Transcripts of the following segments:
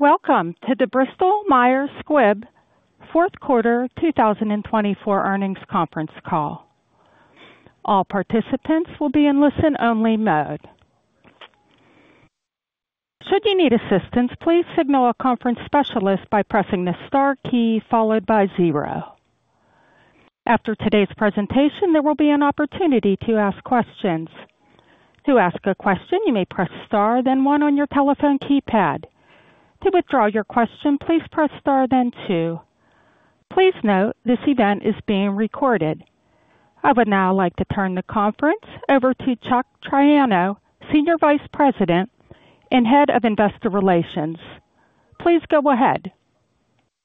Welcome to the Bristol Myers Squibb Fourth Quarter 2024 Earnings Conference Call. All participants will be in listen-only mode. Should you need assistance, please signal a conference specialist by pressing the star key followed by zero. After today's presentation, there will be an opportunity to ask questions. To ask a question, you may press star, then one on your telephone keypad. To withdraw your question, please press star, then two. Please note this event is being recorded. I would now like to turn the conference over to Chuck Triano, Senior Vice President and Head of Investor Relations. Please go ahead.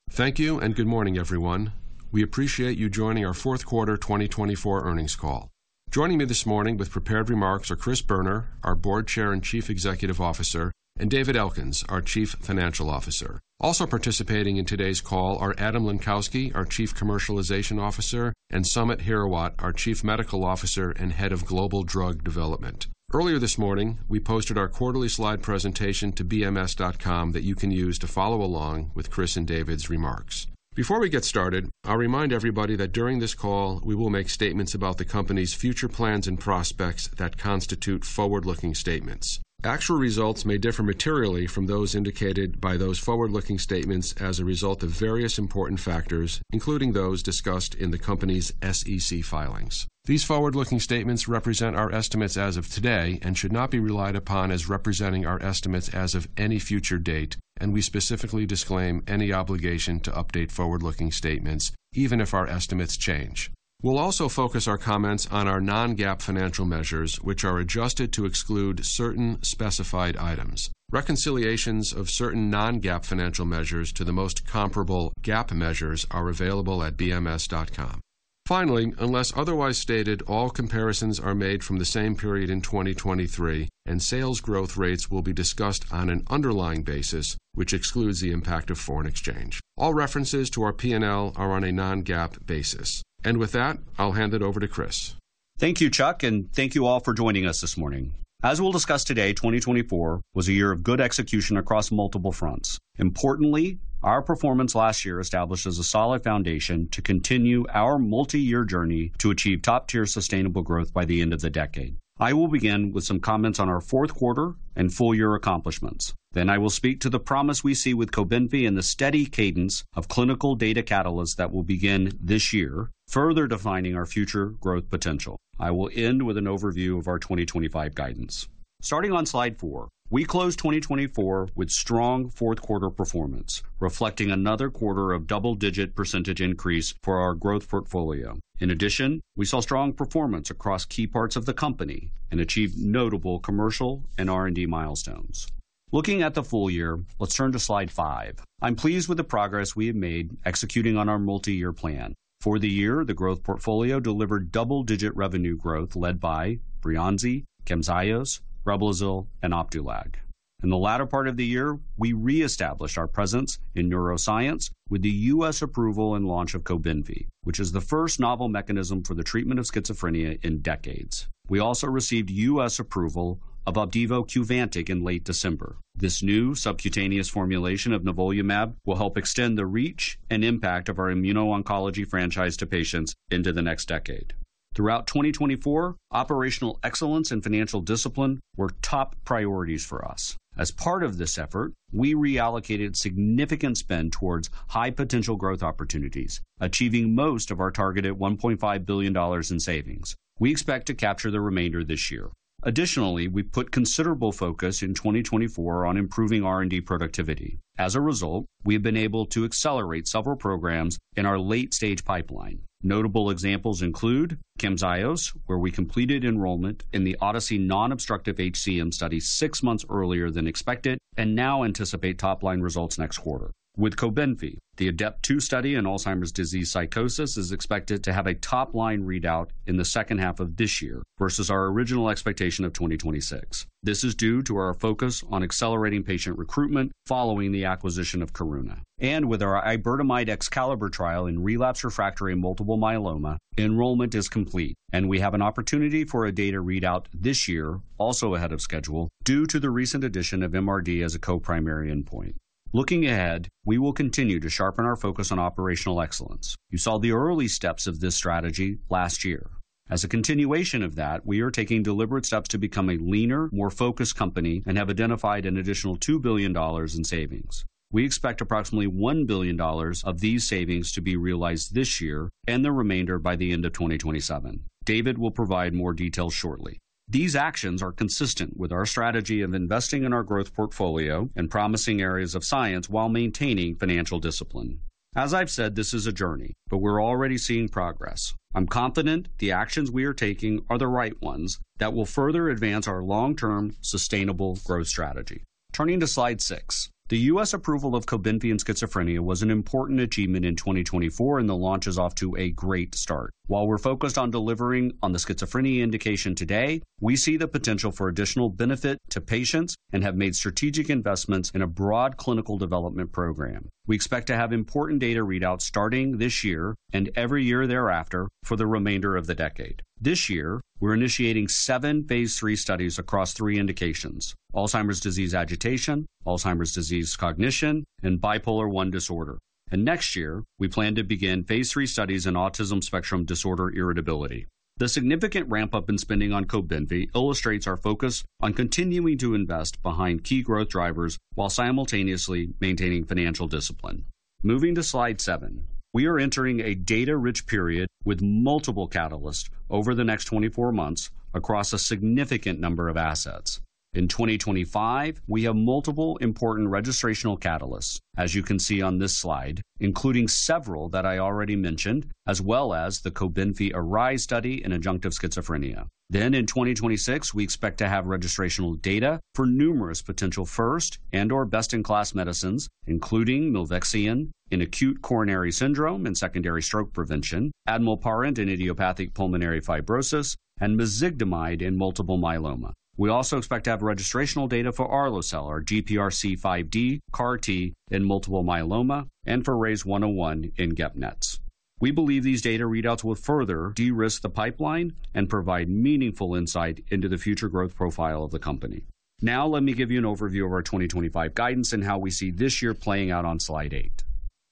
Thank you and good morning, everyone. We appreciate you joining our Fourth Quarter 2024 Earnings Call. Joining me this morning with prepared remarks are Chris Boerner, our Board Chair and Chief Executive Officer, and David Elkins, our Chief Financial Officer. Also participating in today's call are Adam Lenkowsky, our Chief Commercialization Officer, and Samit Hirawat, our Chief Medical Officer and Head of Global Drug Development. Earlier this morning, we posted our quarterly slide presentation to bms.com that you can use to follow along with Chris and David's remarks. Before we get started, I'll remind everybody that during this call, we will make statements about the company's future plans and prospects that constitute forward-looking statements. Actual results may differ materially from those indicated by those forward-looking statements as a result of various important factors, including those discussed in the company's SEC filings. These forward-looking statements represent our estimates as of today and should not be relied upon as representing our estimates as of any future date, and we specifically disclaim any obligation to update forward-looking statements, even if our estimates change. We'll also focus our comments on our non-GAAP financial measures, which are adjusted to exclude certain specified items. Reconciliations of certain non-GAAP financial measures to the most comparable GAAP measures are available at bms.com. Finally, unless otherwise stated, all comparisons are made from the same period in 2023, and sales growth rates will be discussed on an underlying basis, which excludes the impact of foreign exchange. All references to our P&L are on a non-GAAP basis. And with that, I'll hand it over to Chris. Thank you, Chuck, and thank you all for joining us this morning. As we'll discuss today, 2024 was a year of good execution across multiple fronts. Importantly, our performance last year established a solid foundation to continue our multi-year journey to achieve top-tier sustainable growth by the end of the decade. I will begin with some comments on our fourth quarter and full-year accomplishments. Then I will speak to the promise we see with Cobenfy and the steady cadence of clinical data catalysts that will begin this year, further defining our future growth potential. I will end with an overview of our 2025 guidance. Starting on slide four, we closed 2024 with strong fourth quarter performance, reflecting another quarter of double-digit % increase for our growth portfolio. In addition, we saw strong performance across key parts of the company and achieved notable commercial and R&D milestones. Looking at the full year, let's turn to slide five. I'm pleased with the progress we have made executing on our multi-year plan. For the year, the growth portfolio delivered double-digit revenue growth led by Breyanzi, Camzyos, Reblozyl, and Opdualag. In the latter part of the year, we reestablished our presence in neuroscience with the U.S. approval and launch of Cobenfy, which is the first novel mechanism for the treatment of schizophrenia in decades. We also received U.S. approval of Opdivo SC in late December. This new subcutaneous formulation of nivolumab will help extend the reach and impact of our immuno-oncology franchise to patients into the next decade. Throughout 2024, operational excellence and financial discipline were top priorities for us. As part of this effort, we reallocated significant spend towards high-potential growth opportunities, achieving most of our targeted $1.5 billion in savings. We expect to capture the remainder this year. Additionally, we've put considerable focus in 2024 on improving R&D productivity. As a result, we have been able to accelerate several programs in our late-stage pipeline. Notable examples include Camzyos, where we completed enrollment in the ODYSSEY non-obstructive HCM study six months earlier than expected, and now anticipate top-line results next quarter. With Cobenfy, the ADAPT-2 study in Alzheimer's Disease Psychosis is expected to have a top-line readout in the second half of this year versus our original expectation of 2026. This is due to our focus on accelerating patient recruitment following the acquisition of Karuna. And with our Iberdomide EXCALIBER trial in relapsed refractory multiple myeloma, enrollment is complete, and we have an opportunity for a data readout this year, also ahead of schedule, due to the recent addition of MRD as a co-primary endpoint. Looking ahead, we will continue to sharpen our focus on operational excellence. You saw the early steps of this strategy last year. As a continuation of that, we are taking deliberate steps to become a leaner, more focused company and have identified an additional $2 billion in savings. We expect approximately $1 billion of these savings to be realized this year and the remainder by the end of 2027. David will provide more details shortly. These actions are consistent with our strategy of investing in our growth portfolio and promising areas of science while maintaining financial discipline. As I've said, this is a journey, but we're already seeing progress. I'm confident the actions we are taking are the right ones that will further advance our long-term sustainable growth strategy. Turning to slide six, the U.S. Approval of Cobenfy in schizophrenia was an important achievement in 2024, and the launch is off to a great start. While we're focused on delivering on the schizophrenia indication today, we see the potential for additional benefit to patients and have made strategic investments in a broad clinical development program. We expect to have important data readouts starting this year and every year thereafter for the remainder of the decade. This year, we're initiating seven phase III studies across three indications: Alzheimer's Disease Agitation, Alzheimer's Disease Cognition, and Bipolar I Disorder. And next year, we plan to begin phase III studies in Autism Spectrum Disorder Irritability. The significant ramp-up in spending on Cobenfy illustrates our focus on continuing to invest behind key growth drivers while simultaneously maintaining financial discipline. Moving to slide seven, we are entering a data-rich period with multiple catalysts over the next 24 months across a significant number of assets. In 2025, we have multiple important registrational catalysts, as you can see on this slide, including several that I already mentioned, as well as the Cobenfy ARISE study in adjunctive schizophrenia. Then in 2026, we expect to have registrational data for numerous potential first and/or best-in-class medicines, including Milvexion in acute coronary syndrome and secondary stroke prevention, Admilparant in idiopathic pulmonary fibrosis, and Mezigdomide in multiple myeloma. We also expect to have registrational data for Arlocel, our GPRC5D CAR-T in multiple myeloma, and for RYZ101 in GEP-NETs. We believe these data readouts will further de-risk the pipeline and provide meaningful insight into the future growth profile of the company. Now, let me give you an overview of our 2025 guidance and how we see this year playing out on slide eight.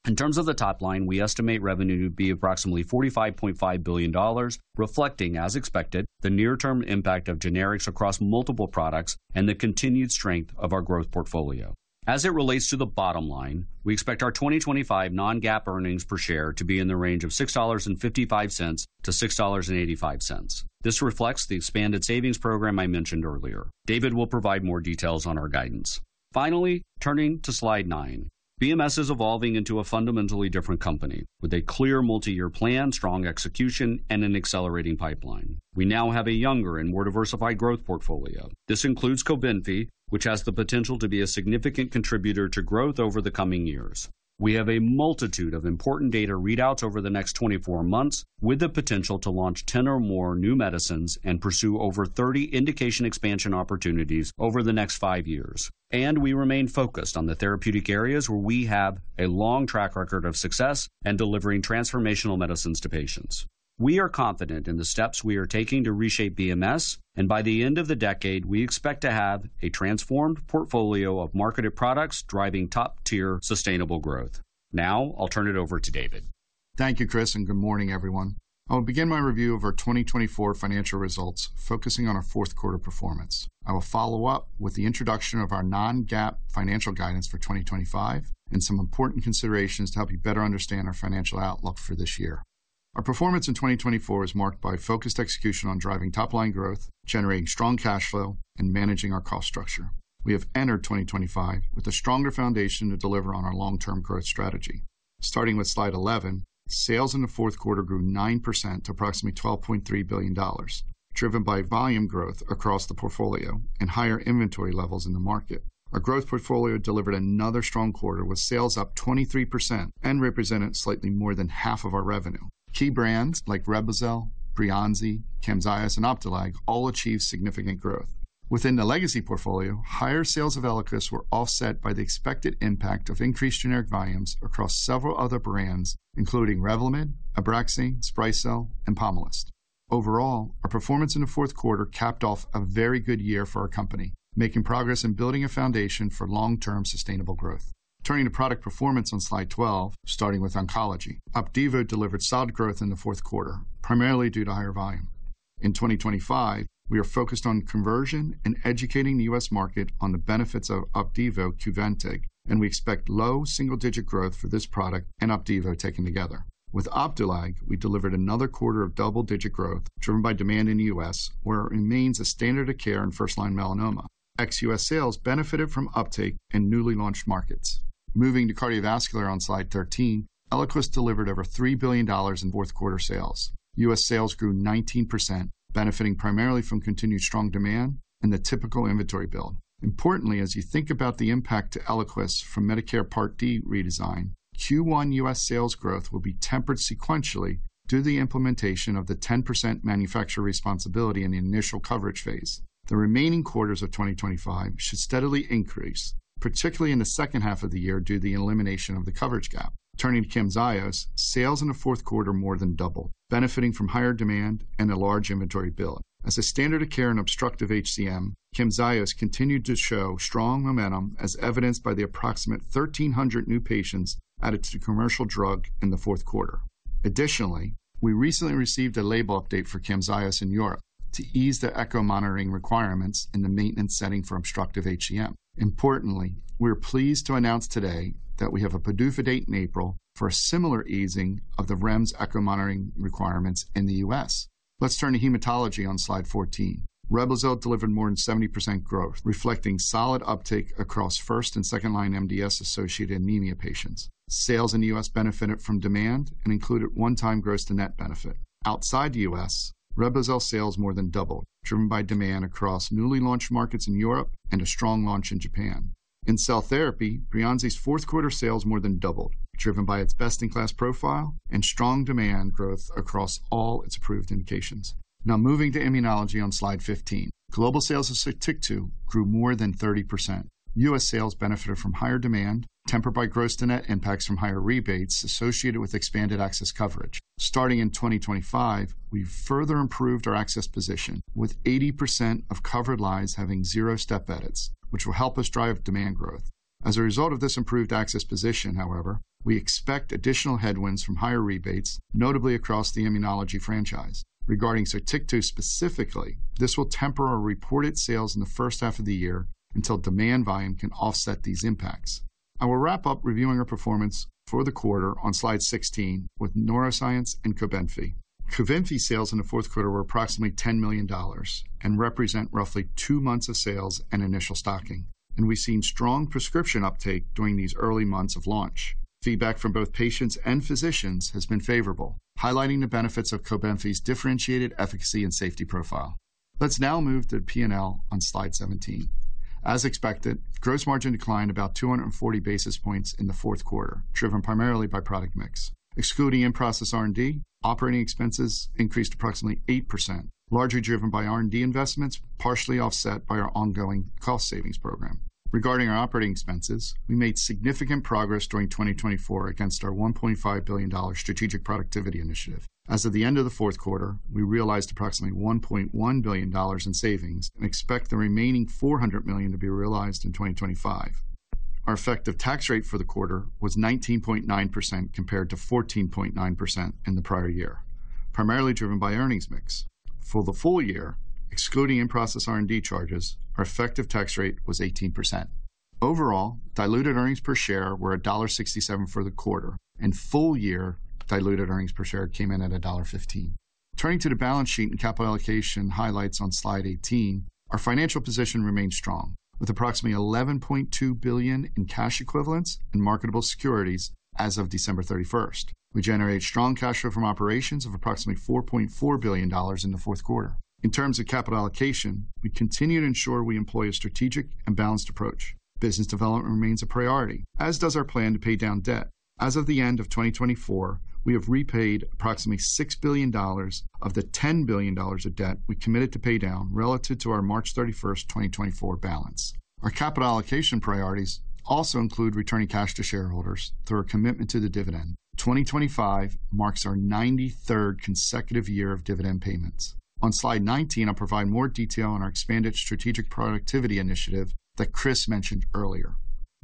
In terms of the top line, we estimate revenue to be approximately $45.5 billion, reflecting, as expected, the near-term impact of generics across multiple products and the continued strength of our growth portfolio. As it relates to the bottom line, we expect our 2025 Non-GAAP earnings per share to be in the range of $6.55-$6.85. This reflects the expanded savings program I mentioned earlier. David will provide more details on our guidance. Finally, turning to slide nine, BMS is evolving into a fundamentally different company with a clear multi-year plan, strong execution, and an accelerating pipeline. We now have a younger and more diversified growth portfolio. This includes Cobenfy, which has the potential to be a significant contributor to growth over the coming years. We have a multitude of important data readouts over the next 24 months, with the potential to launch 10 or more new medicines and pursue over 30 indication expansion opportunities over the next five years, and we remain focused on the therapeutic areas where we have a long track record of success and delivering transformational medicines to patients. We are confident in the steps we are taking to reshape BMS, and by the end of the decade, we expect to have a transformed portfolio of marketed products driving top-tier sustainable growth. Now, I'll turn it over to David. Thank you, Chris, and good morning, everyone. I will begin my review of our 2024 financial results, focusing on our fourth quarter performance. I will follow up with the introduction of our Non-GAAP financial guidance for 2025 and some important considerations to help you better understand our financial outlook for this year. Our performance in 2024 is marked by focused execution on driving top-line growth, generating strong cash flow, and managing our cost structure. We have entered 2025 with a stronger foundation to deliver on our long-term growth strategy. Starting with slide 11, sales in the fourth quarter grew 9% to approximately $12.3 billion, driven by volume growth across the portfolio and higher inventory levels in the market. Our growth portfolio delivered another strong quarter with sales up 23% and represented slightly more than half of our revenue. Key brands like Reblozyl, Breyanzi, Camzyos, and Opdualag all achieved significant growth. Within the legacy portfolio, higher sales of Eliquis were offset by the expected impact of increased generic volumes across several other brands, including Revlimid, Abraxane, Sprycel, and Pomalyst. Overall, our performance in the fourth quarter capped off a very good year for our company, making progress in building a foundation for long-term sustainable growth. Turning to product performance on slide 12, starting with oncology, Opdivo delivered solid growth in the fourth quarter, primarily due to higher volume. In 2025, we are focused on conversion and educating the U.S. market on the benefits of Opdivo SC, and we expect low single-digit growth for this product and Opdivo taken together. With Opdualag, we delivered another quarter of double-digit growth driven by demand in the U.S., where it remains a standard of care in first-line melanoma. Ex-U.S. Sales benefited from uptake in newly launched markets. Moving to cardiovascular on slide 13, Eliquis delivered over $3 billion in fourth quarter sales. U.S. sales grew 19%, benefiting primarily from continued strong demand and the typical inventory build. Importantly, as you think about the impact to Eliquis from Medicare Part D redesign, Q1 U.S. sales growth will be tempered sequentially due to the implementation of the 10% manufacturer responsibility in the initial coverage phase. The remaining quarters of 2025 should steadily increase, particularly in the second half of the year due to the elimination of the coverage gap. Turning to Camzyos, sales in the fourth quarter more than doubled, benefiting from higher demand and a large inventory build. As a standard of care in obstructive HCM, Camzyos continued to show strong momentum, as evidenced by the approximate 1,300 new patients added to the commercial drug in the fourth quarter. Additionally, we recently received a label update for Camzyos in Europe to ease the echo monitoring requirements in the maintenance setting for obstructive HCM. Importantly, we are pleased to announce today that we have a PDUFA date in April for a similar easing of the REMS ECHO monitoring requirements in the U.S. Let's turn to hematology on slide 14. Reblozyl delivered more than 70% growth, reflecting solid uptake across first and second-line MDS-associated anemia patients. Sales in the U.S. benefited from demand and included one-time gross-to-net benefit. Outside the U.S., Reblozyl sales more than doubled, driven by demand across newly launched markets in Europe and a strong launch in Japan. In cell therapy, Breyanzi's fourth quarter sales more than doubled, driven by its best-in-class profile and strong demand growth across all its approved indications. Now moving to immunology on slide 15, global sales of Sotyktu grew more than 30%. U.S. sales benefited from higher demand, tempered by gross-to-net impacts from higher rebates associated with expanded access coverage. Starting in 2025, we further improved our access position, with 80% of covered lines having zero step edits, which will help us drive demand growth. As a result of this improved access position, however, we expect additional headwinds from higher rebates, notably across the immunology franchise. Regarding Sotyktu specifically, this will temper our reported sales in the first half of the year until demand volume can offset these impacts. I will wrap up reviewing our performance for the quarter on slide 16 with neuroscience and Cobenfy. Cobenfy sales in the fourth quarter were approximately $10 million and represent roughly two months of sales and initial stocking. We've seen strong prescription uptake during these early months of launch. Feedback from both patients and physicians has been favorable, highlighting the benefits of Cobenfy's differentiated efficacy and safety profile. Let's now move to P&L on slide 17. As expected, gross margin declined about 240 basis points in the fourth quarter, driven primarily by product mix. Excluding in-process R&D, operating expenses increased approximately 8%, largely driven by R&D investments, partially offset by our ongoing cost savings program. Regarding our operating expenses, we made significant progress during 2024 against our $1.5 billion strategic productivity initiative. As of the end of the fourth quarter, we realized approximately $1.1 billion in savings and expect the remaining $400 million to be realized in 2025. Our effective tax rate for the quarter was 19.9% compared to 14.9% in the prior year, primarily driven by earnings mix. For the full year, excluding in-process R&D charges, our effective tax rate was 18%. Overall, diluted earnings per share were $1.67 for the quarter, and full year diluted earnings per share came in at $1.15. Turning to the balance sheet and capital allocation highlights on slide 18, our financial position remained strong, with approximately $11.2 billion in cash equivalents and marketable securities as of December 31st. We generated strong cash flow from operations of approximately $4.4 billion in the fourth quarter. In terms of capital allocation, we continue to ensure we employ a strategic and balanced approach. Business development remains a priority, as does our plan to pay down debt. As of the end of 2024, we have repaid approximately $6 billion of the $10 billion of debt we committed to pay down relative to our March 31st, 2024 balance. Our capital allocation priorities also include returning cash to shareholders through our commitment to the dividend. 2025 marks our 93rd consecutive year of dividend payments. On slide 19, I'll provide more detail on our expanded strategic productivity initiative that Chris mentioned earlier.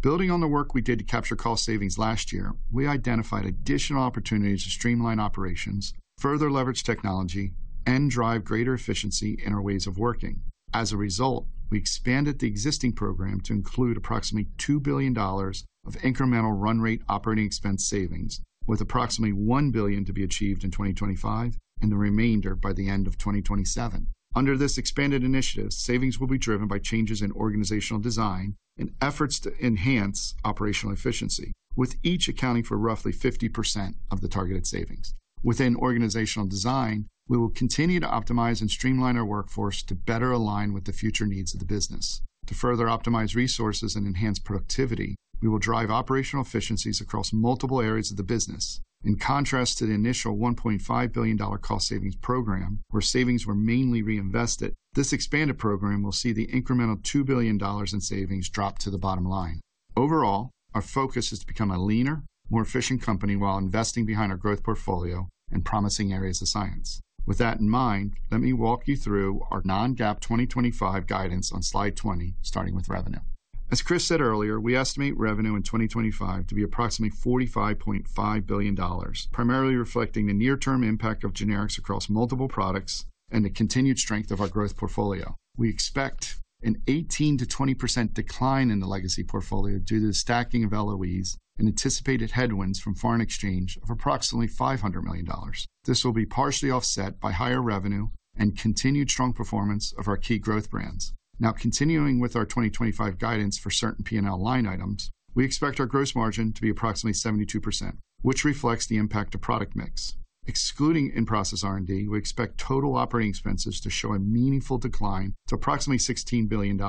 Building on the work we did to capture cost savings last year, we identified additional opportunities to streamline operations, further leverage technology, and drive greater efficiency in our ways of working. As a result, we expanded the existing program to include approximately $2 billion of incremental run rate operating expense savings, with approximately $1 billion to be achieved in 2025 and the remainder by the end of 2027. Under this expanded initiative, savings will be driven by changes in organizational design and efforts to enhance operational efficiency, with each accounting for roughly 50% of the targeted savings. Within organizational design, we will continue to optimize and streamline our workforce to better align with the future needs of the business. To further optimize resources and enhance productivity, we will drive operational efficiencies across multiple areas of the business. In contrast to the initial $1.5 billion cost savings program, where savings were mainly reinvested, this expanded program will see the incremental $2 billion in savings drop to the bottom line. Overall, our focus is to become a leaner, more efficient company while investing behind our growth portfolio and promising areas of science. With that in mind, let me walk you through our non-GAAP 2025 guidance on slide 20, starting with revenue. As Chris said earlier, we estimate revenue in 2025 to be approximately $45.5 billion, primarily reflecting the near-term impact of generics across multiple products and the continued strength of our growth portfolio. We expect an 18%-20% decline in the legacy portfolio due to the stacking of LOEs and anticipated headwinds from foreign exchange of approximately $500 million. This will be partially offset by higher revenue and continued strong performance of our key growth brands. Now, continuing with our 2025 guidance for certain P&L line items, we expect our gross margin to be approximately 72%, which reflects the impact of product mix. Excluding in-process R&D, we expect total operating expenses to show a meaningful decline to approximately $16 billion,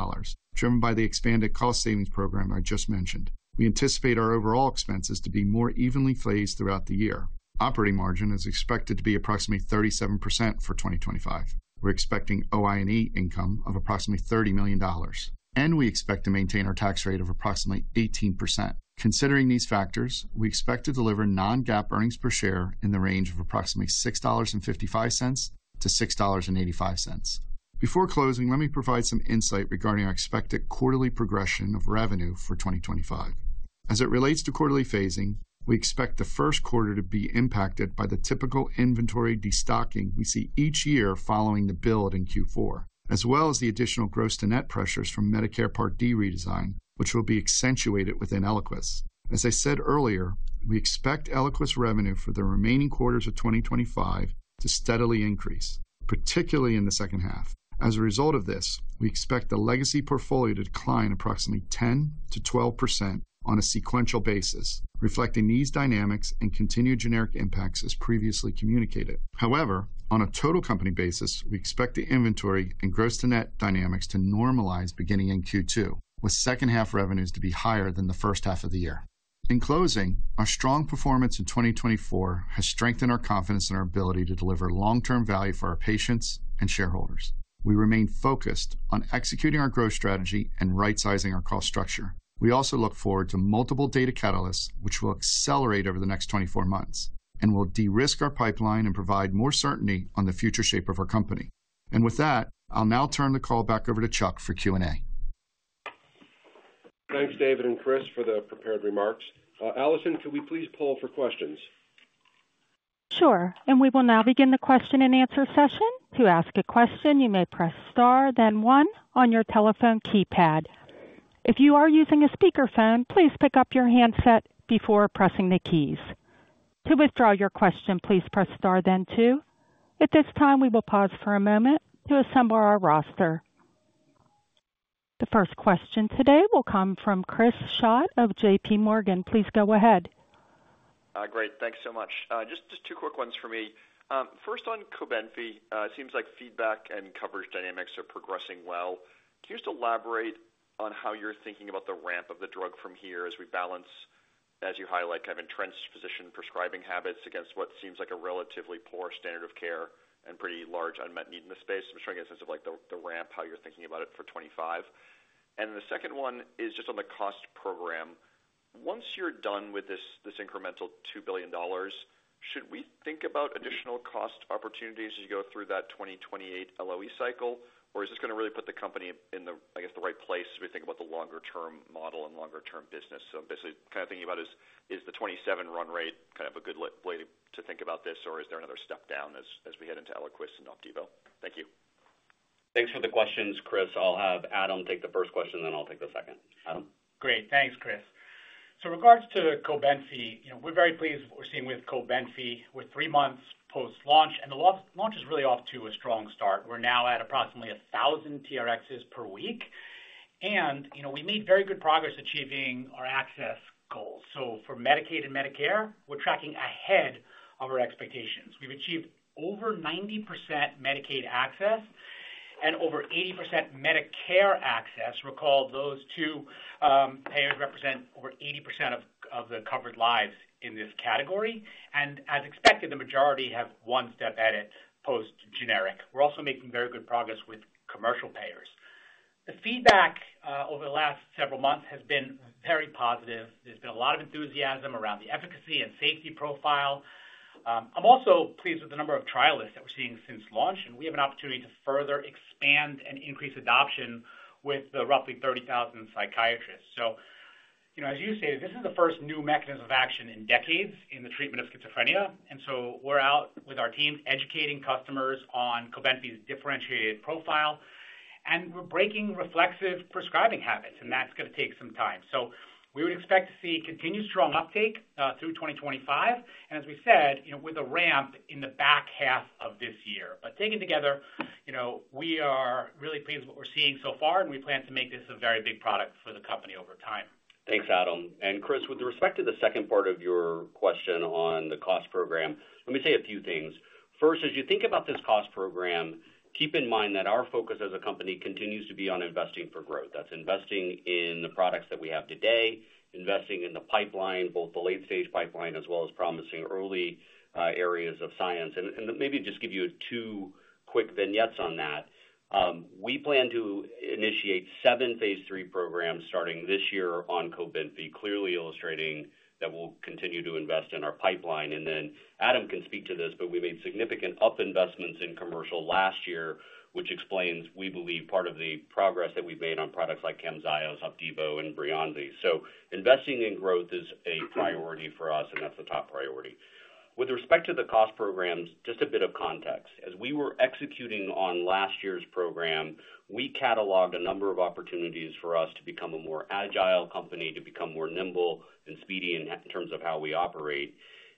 driven by the expanded cost savings program I just mentioned. We anticipate our overall expenses to be more evenly phased throughout the year. Operating margin is expected to be approximately 37% for 2025. We're expecting OI&E income of approximately $30 million, and we expect to maintain our tax rate of approximately 18%. Considering these factors, we expect to deliver non-GAAP earnings per share in the range of approximately $6.55-$6.85. Before closing, let me provide some insight regarding our expected quarterly progression of revenue for 2025. As it relates to quarterly phasing, we expect the first quarter to be impacted by the typical inventory destocking we see each year following the build in Q4, as well as the additional gross to net pressures from Medicare Part D redesign, which will be accentuated within Eliquis. As I said earlier, we expect Eliquis revenue for the remaining quarters of 2025 to steadily increase, particularly in the second half. As a result of this, we expect the legacy portfolio to decline approximately 10%-12% on a sequential basis, reflecting these dynamics and continued generic impacts as previously communicated. However, on a total company basis, we expect the inventory and gross to net dynamics to normalize beginning in Q2, with second half revenues to be higher than the first half of the year. In closing, our strong performance in 2024 has strengthened our confidence in our ability to deliver long-term value for our patients and shareholders. We remain focused on executing our growth strategy and right-sizing our cost structure. We also look forward to multiple data catalysts, which will accelerate over the next 24 months, and will de-risk our pipeline and provide more certainty on the future shape of our company. And with that, I'll now turn the call back over to Chuck for Q&A. Thanks, David and Chris, for the prepared remarks. Allison, could we please poll for questions? Sure. We will now begin the question and answer session. To ask a question, you may press star, then one on your telephone keypad. If you are using a speakerphone, please pick up your handset before pressing the keys. To withdraw your question, please press star, then two. At this time, we will pause for a moment to assemble our roster. The first question today will come from Chris Schott of J.P. Morgan. Please go ahead. Great. Thanks so much. Just two quick ones for me. First, on Cobenfy, it seems like feedback and coverage dynamics are progressing well. Can you just elaborate on how you're thinking about the ramp of the drug from here as we balance, as you highlight, kind of entrenched physician prescribing habits against what seems like a relatively poor standard of care and pretty large unmet need in the space? I'm just trying to get a sense of the ramp, how you're thinking about it for 2025. And the second one is just on the cost program. Once you're done with this incremental $2 billion, should we think about additional cost opportunities as you go through that 2028 LOE cycle, or is this going to really put the company in the, I guess, the right place if we think about the longer-term model and longer-term business? So basically, kind of thinking about, is the '27 run rate kind of a good way to think about this, or is there another step down as we head into Eliquis and Opdivo? Thank you. Thanks for the questions, Chris. I'll have Adam take the first question, then I'll take the second. Adam? Great. Thanks, Chris. So in regards to Cobenfy, we're very pleased with what we're seeing with Cobenfy with three months post-launch. And the launch is really off to a strong start. We're now at approximately 1,000 TRx per week. And we made very good progress achieving our access goals. So for Medicaid and Medicare, we're tracking ahead of our expectations. We've achieved over 90% Medicaid access and over 80% Medicare access. Recall, those two payers represent over 80% of the covered lives in this category. And as expected, the majority have one step edit post-generic. We're also making very good progress with commercial payers. The feedback over the last several months has been very positive. There's been a lot of enthusiasm around the efficacy and safety profile. I'm also pleased with the number of trialists that we're seeing since launch, and we have an opportunity to further expand and increase adoption with the roughly 30,000 psychiatrists. So as you say, this is the first new mechanism of action in decades in the treatment of schizophrenia. And so we're out with our team educating customers on Cobenfy's differentiated profile, and we're breaking reflexive prescribing habits, and that's going to take some time. So we would expect to see continued strong uptake through 2025. And as we said, with a ramp in the back half of this year. But taken together, we are really pleased with what we're seeing so far, and we plan to make this a very big product for the company over time. Thanks, Adam. And Chris, with respect to the second part of your question on the cost program, let me say a few things. First, as you think about this cost program, keep in mind that our focus as a company continues to be on investing for growth. That's investing in the products that we have today, investing in the pipeline, both the late-stage pipeline as well as promising early areas of science. And maybe just give you two quick vignettes on that. We plan to initiate seven phase 3 programs starting this year on Cobenfy, clearly illustrating that we'll continue to invest in our pipeline. And then Adam can speak to this, but we made significant upfront investments in commercial last year, which explains, we believe, part of the progress that we've made on products like Camzyos, Opdivo, and Breyanzi. So investing in growth is a priority for us, and that's the top priority. With respect to the cost programs, just a bit of context. As we were executing on last year's program, we cataloged a number of opportunities for us to become a more agile company, to become more nimble and speedy in terms of how we operate.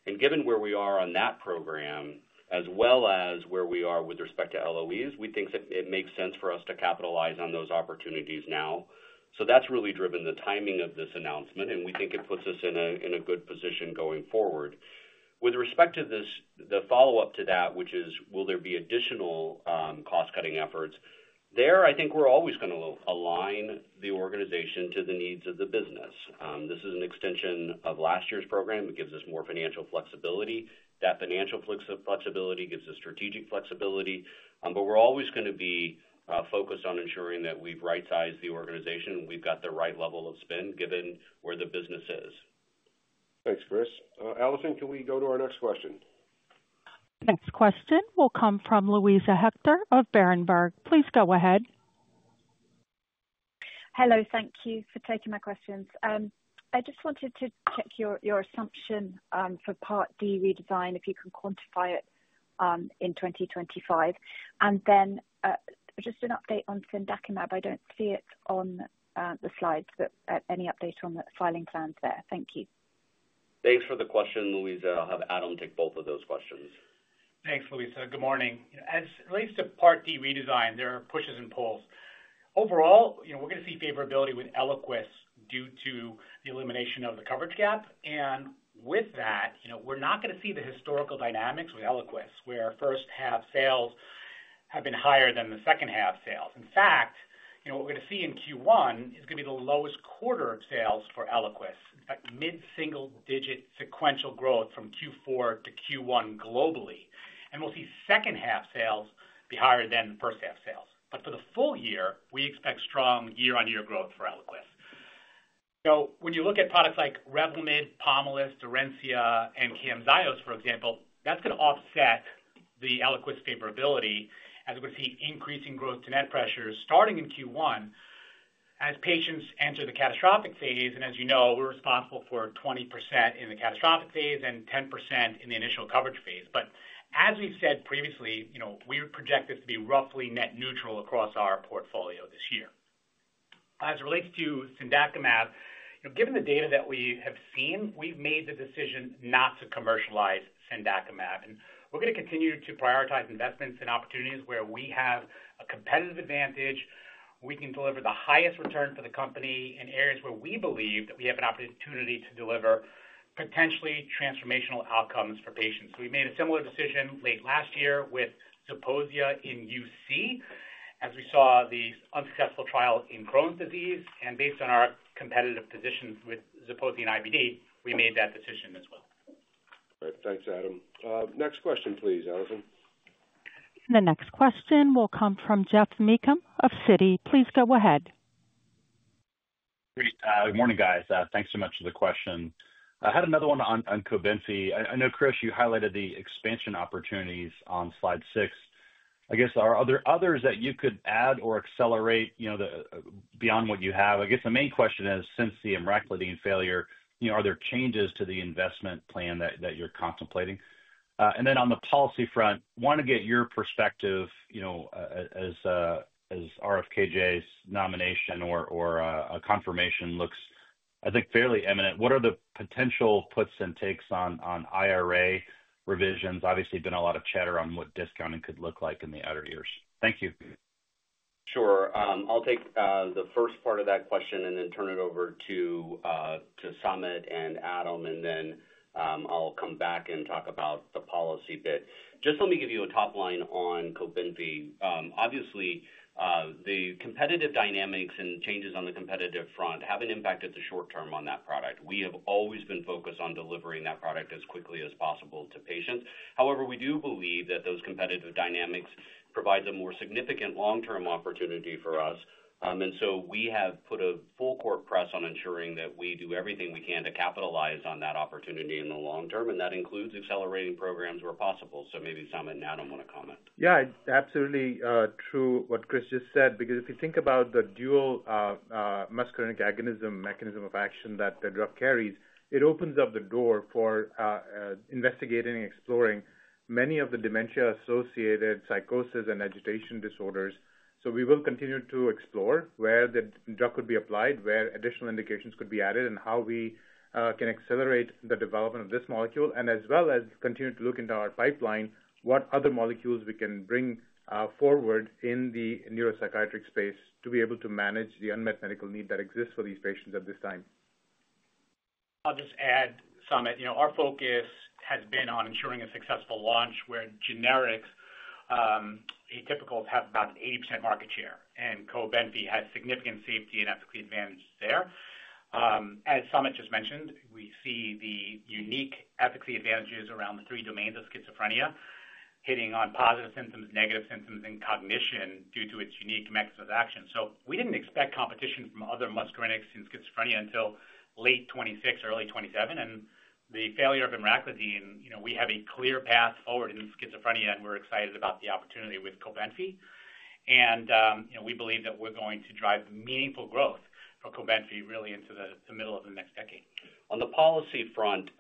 And given where we are on that program, as well as where we are with respect to LOEs, we think it makes sense for us to capitalize on those opportunities now. So that's really driven the timing of this announcement, and we think it puts us in a good position going forward. With respect to the follow-up to that, which is, will there be additional cost-cutting efforts? There, I think we're always going to align the organization to the needs of the business. This is an extension of last year's program. It gives us more financial flexibility. That financial flexibility gives us strategic flexibility. But we're always going to be focused on ensuring that we've right-sized the organization and we've got the right level of spend given where the business is. Thanks, Chris. Allison, can we go to our next question? Next question will come from Louisa Hector of Berenberg. Please go ahead. Hello. Thank you for taking my questions. I just wanted to check your assumption for Part D redesign, if you can quantify it in 2025. And then just an update on Cendakimab. I don't see it on the slides, but any update on the filing plans there? Thank you. Thanks for the question, Louisa. I'll have Adam take both of those questions. Thanks, Louisa. Good morning. As it relates to Part D redesign, there are pushes and pulls. Overall, we're going to see favorability with Eliquis due to the elimination of the coverage gap. And with that, we're not going to see the historical dynamics with Eliquis, where first half sales have been higher than the second half sales. In fact, what we're going to see in Q1 is going to be the lowest quarter sales for Eliquis, mid-single-digit sequential growth from Q4 to Q1 globally. And we'll see second half sales be higher than first half sales. But for the full year, we expect strong year-on-year growth for Eliquis. When you look at products like Revlimid, Pomalyst, Orencia, and Camzyos, for example, that's going to offset the Eliquis favorability as we're going to see increasing growth to net pressure starting in Q1 as patients enter the catastrophic phase, and as you know, we're responsible for 20% in the catastrophic phase and 10% in the initial coverage phase, but as we've said previously, we project this to be roughly net neutral across our portfolio this year. As it relates to Cendakimab, given the data that we have seen, we've made the decision not to commercialize Cendakimab, and we're going to continue to prioritize investments and opportunities where we have a competitive advantage. We can deliver the highest return for the company in areas where we believe that we have an opportunity to deliver potentially transformational outcomes for patients. So we made a similar decision late last year with Zeposia in UC as we saw these unsuccessful trials in Crohn's disease. And based on our competitive positions with Zeposia and IBD, we made that decision as well. Great. Thanks, Adam. Next question, please, Allison. The next question will come from Jeff Mecham of Citi. Please go ahead. Great. Good morning, guys. Thanks so much for the question. I had another one on Cobenfy. I know, Chris, you highlighted the expansion opportunities on slide six. I guess, are there others that you could add or accelerate beyond what you have? I guess the main question is, since the Emraclidine failure, are there changes to the investment plan that you're contemplating? And then on the policy front, want to get your perspective as RFK Jr. nomination or a confirmation looks, I think, fairly imminent. What are the potential puts and takes on IRA revisions? Obviously, there's been a lot of chatter on what discounting could look like in the outer years. Thank you. Sure. I'll take the first part of that question and then turn it over to Samit and Adam, and then I'll come back and talk about the policy bit. Just let me give you a top line on Cobenfy. Obviously, the competitive dynamics and changes on the competitive front have an impact at the short term on that product. We have always been focused on delivering that product as quickly as possible to patients. However, we do believe that those competitive dynamics provide a more significant long-term opportunity for us. And so we have put a full court press on ensuring that we do everything we can to capitalize on that opportunity in the long term. And that includes accelerating programs where possible. So maybe Samit and Adam want to comment. Yeah, absolutely true what Chris just said, because if you think about the dual muscarinic agonism mechanism of action that the drug carries, it opens up the door for investigating and exploring many of the dementia-associated psychosis and agitation disorders. So we will continue to explore where the drug could be applied, where additional indications could be added, and how we can accelerate the development of this molecule, and as well as continue to look into our pipeline, what other molecules we can bring forward in the neuropsychiatric space to be able to manage the unmet medical need that exists for these patients at this time. I'll just add, Samit, our focus has been on ensuring a successful launch where generics, atypicals, have about an 80% market share, and Cobenfy has significant safety and ethical advantages there. As Samit just mentioned, we see the unique ethical advantages around the three domains of schizophrenia, hitting on positive symptoms, negative symptoms, and cognition due to its unique mechanism of action. We didn't expect competition from other muscarinics in schizophrenia until late 2026, early 2027. And the failure of Emraclidine, we have a clear path forward in schizophrenia, and we're excited about the opportunity with Cobenfy. And we believe that we're going to drive meaningful growth for Cobenfy really into the middle of the next decade. On the policy front,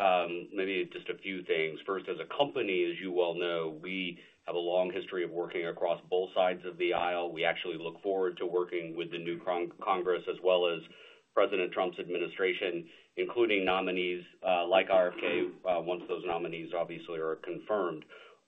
maybe just a few things. First, as a company, as you well know, we have a long history of working across both sides of the aisle. We actually look forward to working with the new Congress as well as President Trump's administration, including nominees like RFK once those nominees obviously are confirmed.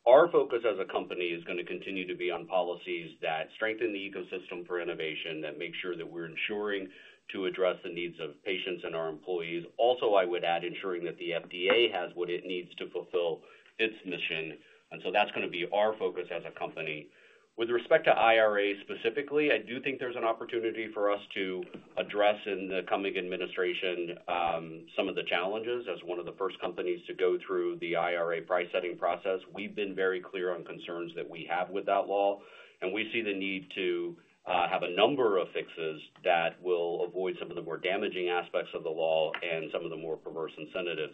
Our focus as a company is going to continue to be on policies that strengthen the ecosystem for innovation, that make sure that we're ensuring to address the needs of patients and our employees. Also, I would add, ensuring that the FDA has what it needs to fulfill its mission. And so that's going to be our focus as a company. With respect to IRA specifically, I do think there's an opportunity for us to address in the coming administration some of the challenges as one of the first companies to go through the IRA price-setting process. We've been very clear on concerns that we have with that law, and we see the need to have a number of fixes that will avoid some of the more damaging aspects of the law and some of the more perverse incentives.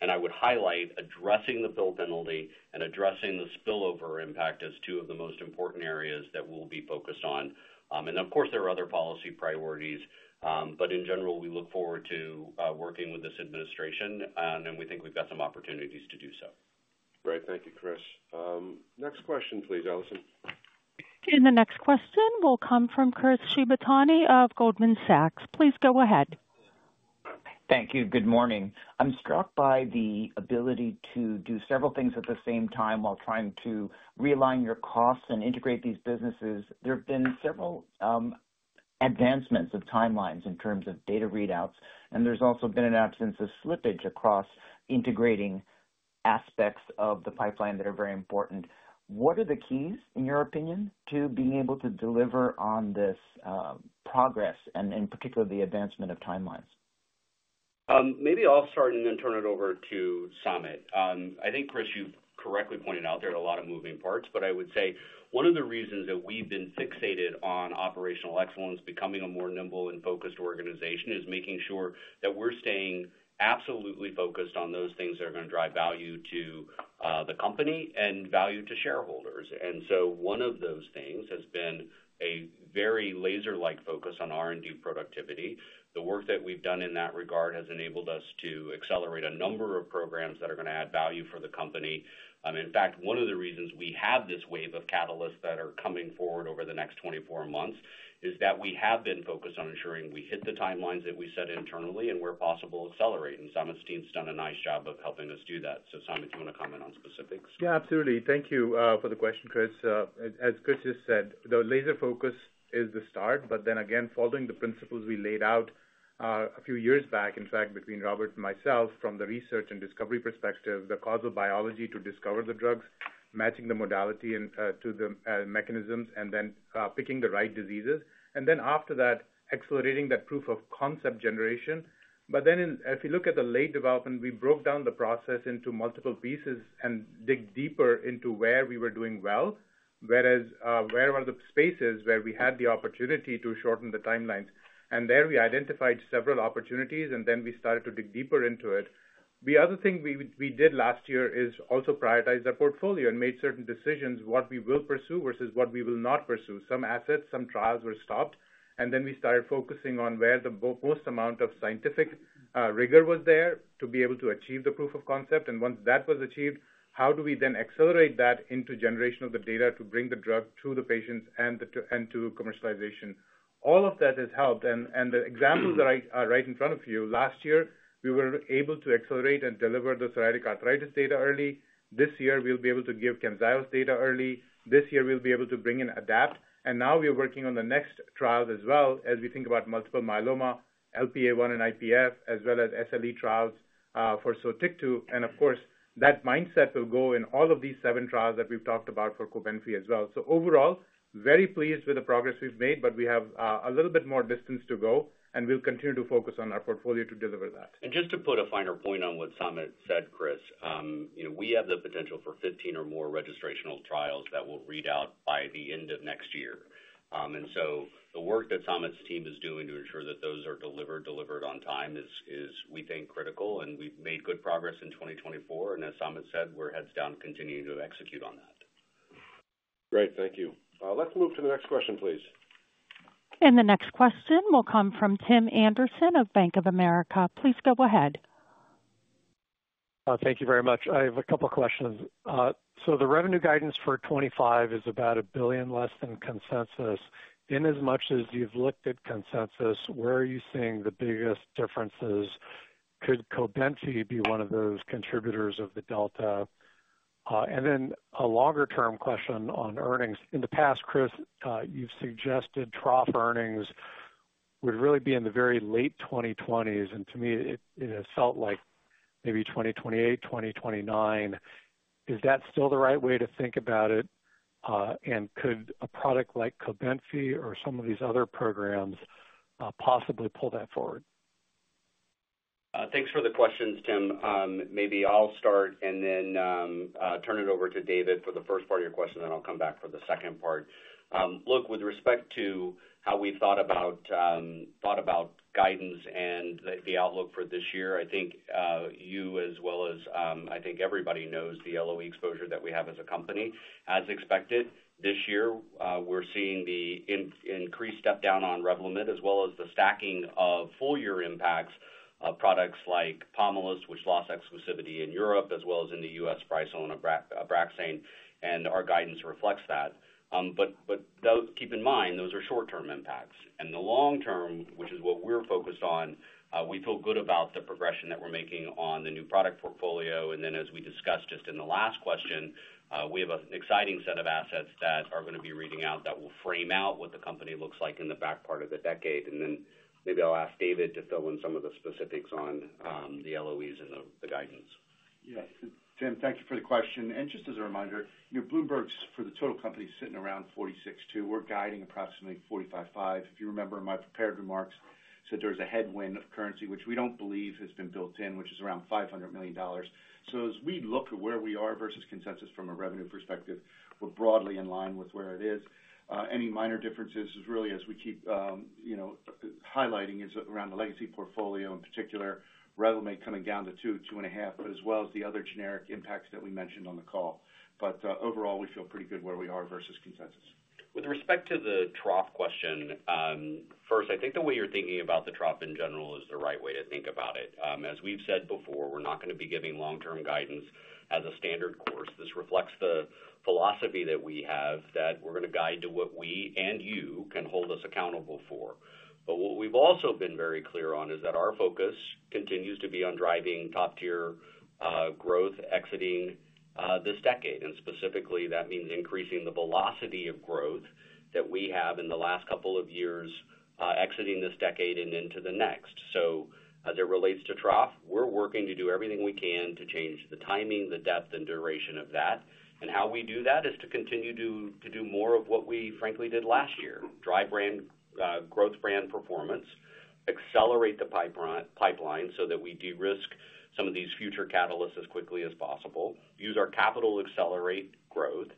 And I would highlight addressing the pill penalty and addressing the spillover impact as two of the most important areas that we'll be focused on. And of course, there are other policy priorities, but in general, we look forward to working with this administration, and we think we've got some opportunities to do so. Great. Thank you, Chris. Next question, please, Allison. The next question will come from Chris Shibutani of Goldman Sachs. Please go ahead. Thank you. Good morning. I'm struck by the ability to do several things at the same time while trying to realign your costs and integrate these businesses. There have been several advancements of timelines in terms of data readouts, and there's also been an absence of slippage across integrating aspects of the pipeline that are very important. What are the keys, in your opinion, to being able to deliver on this progress and, in particular, the advancement of timelines? Maybe I'll start and then turn it over to Samit. I think, Chris, you've correctly pointed out there are a lot of moving parts, but I would say one of the reasons that we've been fixated on operational excellence, becoming a more nimble and focused organization, is making sure that we're staying absolutely focused on those things that are going to drive value to the company and value to shareholders. And so one of those things has been a very laser-like focus on R&D productivity. The work that we've done in that regard has enabled us to accelerate a number of programs that are going to add value for the company. In fact, one of the reasons we have this wave of catalysts that are coming forward over the next 24 months is that we have been focused on ensuring we hit the timelines that we set internally and, where possible, accelerate. And Samit's team's done a nice job of helping us do that. So, Samit, do you want to comment on specifics? Yeah, absolutely. Thank you for the question, Chris. As Chris just said, the laser focus is the start, but then again, following the principles we laid out a few years back, in fact, between Robert and myself, from the research and discovery perspective, the causal biology to discover the drugs, matching the modality to the mechanisms, and then picking the right diseases. And then after that, accelerating that proof of concept generation. But then if you look at the late development, we broke down the process into multiple pieces and dig deeper into where we were doing well, whereas where were the spaces where we had the opportunity to shorten the timelines. And there we identified several opportunities, and then we started to dig deeper into it. The other thing we did last year is also prioritize our portfolio and made certain decisions what we will pursue versus what we will not pursue. Some assets, some trials were stopped, and then we started focusing on where the most amount of scientific rigor was there to be able to achieve the proof of concept. And once that was achieved, how do we then accelerate that into generation of the data to bring the drug to the patients and to commercialization? All of that has helped. And the examples are right in front of you. Last year, we were able to accelerate and deliver the psoriatic arthritis data early. This year, we'll be able to give Camzyos's data early. This year, we'll be able to bring in ADAPT. And now we're working on the next trials as well as we think about multiple myeloma, LPA1 and IPF, as well as SLE trials for Sotyktu. And of course, that mindset will go in all of these seven trials that we've talked about for Cobenfy as well. So overall, very pleased with the progress we've made, but we have a little bit more distance to go, and we'll continue to focus on our portfolio to deliver that. Just to put a finer point on what Samit said, Chris, we have the potential for 15 or more registrational trials that will read out by the end of next year. And so the work that Samit's team is doing to ensure that those are delivered on time is, we think, critical. And we've made good progress in 2024. And as Samit said, we're heads down continuing to execute on that. Great. Thank you. Let's move to the next question, please. And the next question will come from Tim Anderson of Bank of America.Please go ahead. Thank you very much. I have a couple of questions. So the revenue guidance for 2025 is about $1 billion less than consensus. In as much as you've looked at consensus, where are you seeing the biggest differences? Could Cobenfy be one of those contributors of the delta? Then a longer-term question on earnings. In the past, Chris, you've suggested trough earnings would really be in the very late 2020s. And to me, it has felt like maybe 2028, 2029. Is that still the right way to think about it? And could a product like Cobenfy or some of these other programs possibly pull that forward? Thanks for the questions, Tim. Maybe I'll start and then turn it over to David for the first part of your question, then I'll come back for the second part. Look, with respect to how we've thought about guidance and the outlook for this year, I think you, as well as I think everybody knows the LOE exposure that we have as a company. As expected, this year, we're seeing the increased step down on Revlimid as well as the stacking of full-year impacts of products like Pomalyst, which lost exclusivity in Europe, as well as in the U.S. price on Abraxane. And our guidance reflects that. But keep in mind, those are short-term impacts. And the long-term, which is what we're focused on, we feel good about the progression that we're making on the new product portfolio. And then, as we discussed just in the last question, we have an exciting set of assets that are going to be reading out that will frame out what the company looks like in the back part of the decade. And then maybe I'll ask David to fill in some of the specifics on the LOEs and the guidance. Yeah. Tim, thank you for the question. Just as a reminder, Bloomberg's for the total company sitting around 46.2. We're guiding approximately 45.5. If you remember, in my prepared remarks, I said there's a headwind of currency, which we don't believe has been built in, which is around $500 million. So as we look at where we are versus consensus from a revenue perspective, we're broadly in line with where it is. Any minor differences is really, as we keep highlighting, is around the legacy portfolio, in particular, Revlimid coming down to 2-2.5, but as well as the other generic impacts that we mentioned on the call. But overall, we feel pretty good where we are versus consensus. With respect to the trough question, first, I think the way you're thinking about the trough in general is the right way to think about it. As we've said before, we're not going to be giving long-term guidance as a standard course. This reflects the philosophy that we have that we're going to guide to what we and you can hold us accountable for. But what we've also been very clear on is that our focus continues to be on driving top-tier growth exiting this decade. And specifically, that means increasing the velocity of growth that we have in the last couple of years exiting this decade and into the next. So as it relates to trough, we're working to do everything we can to change the timing, the depth, and duration of that. And how we do that is to continue to do more of what we, frankly, did last year: drive growth, brand performance, accelerate the pipeline so that we de-risk some of these future catalysts as quickly as possible, use our capital to accelerate growth.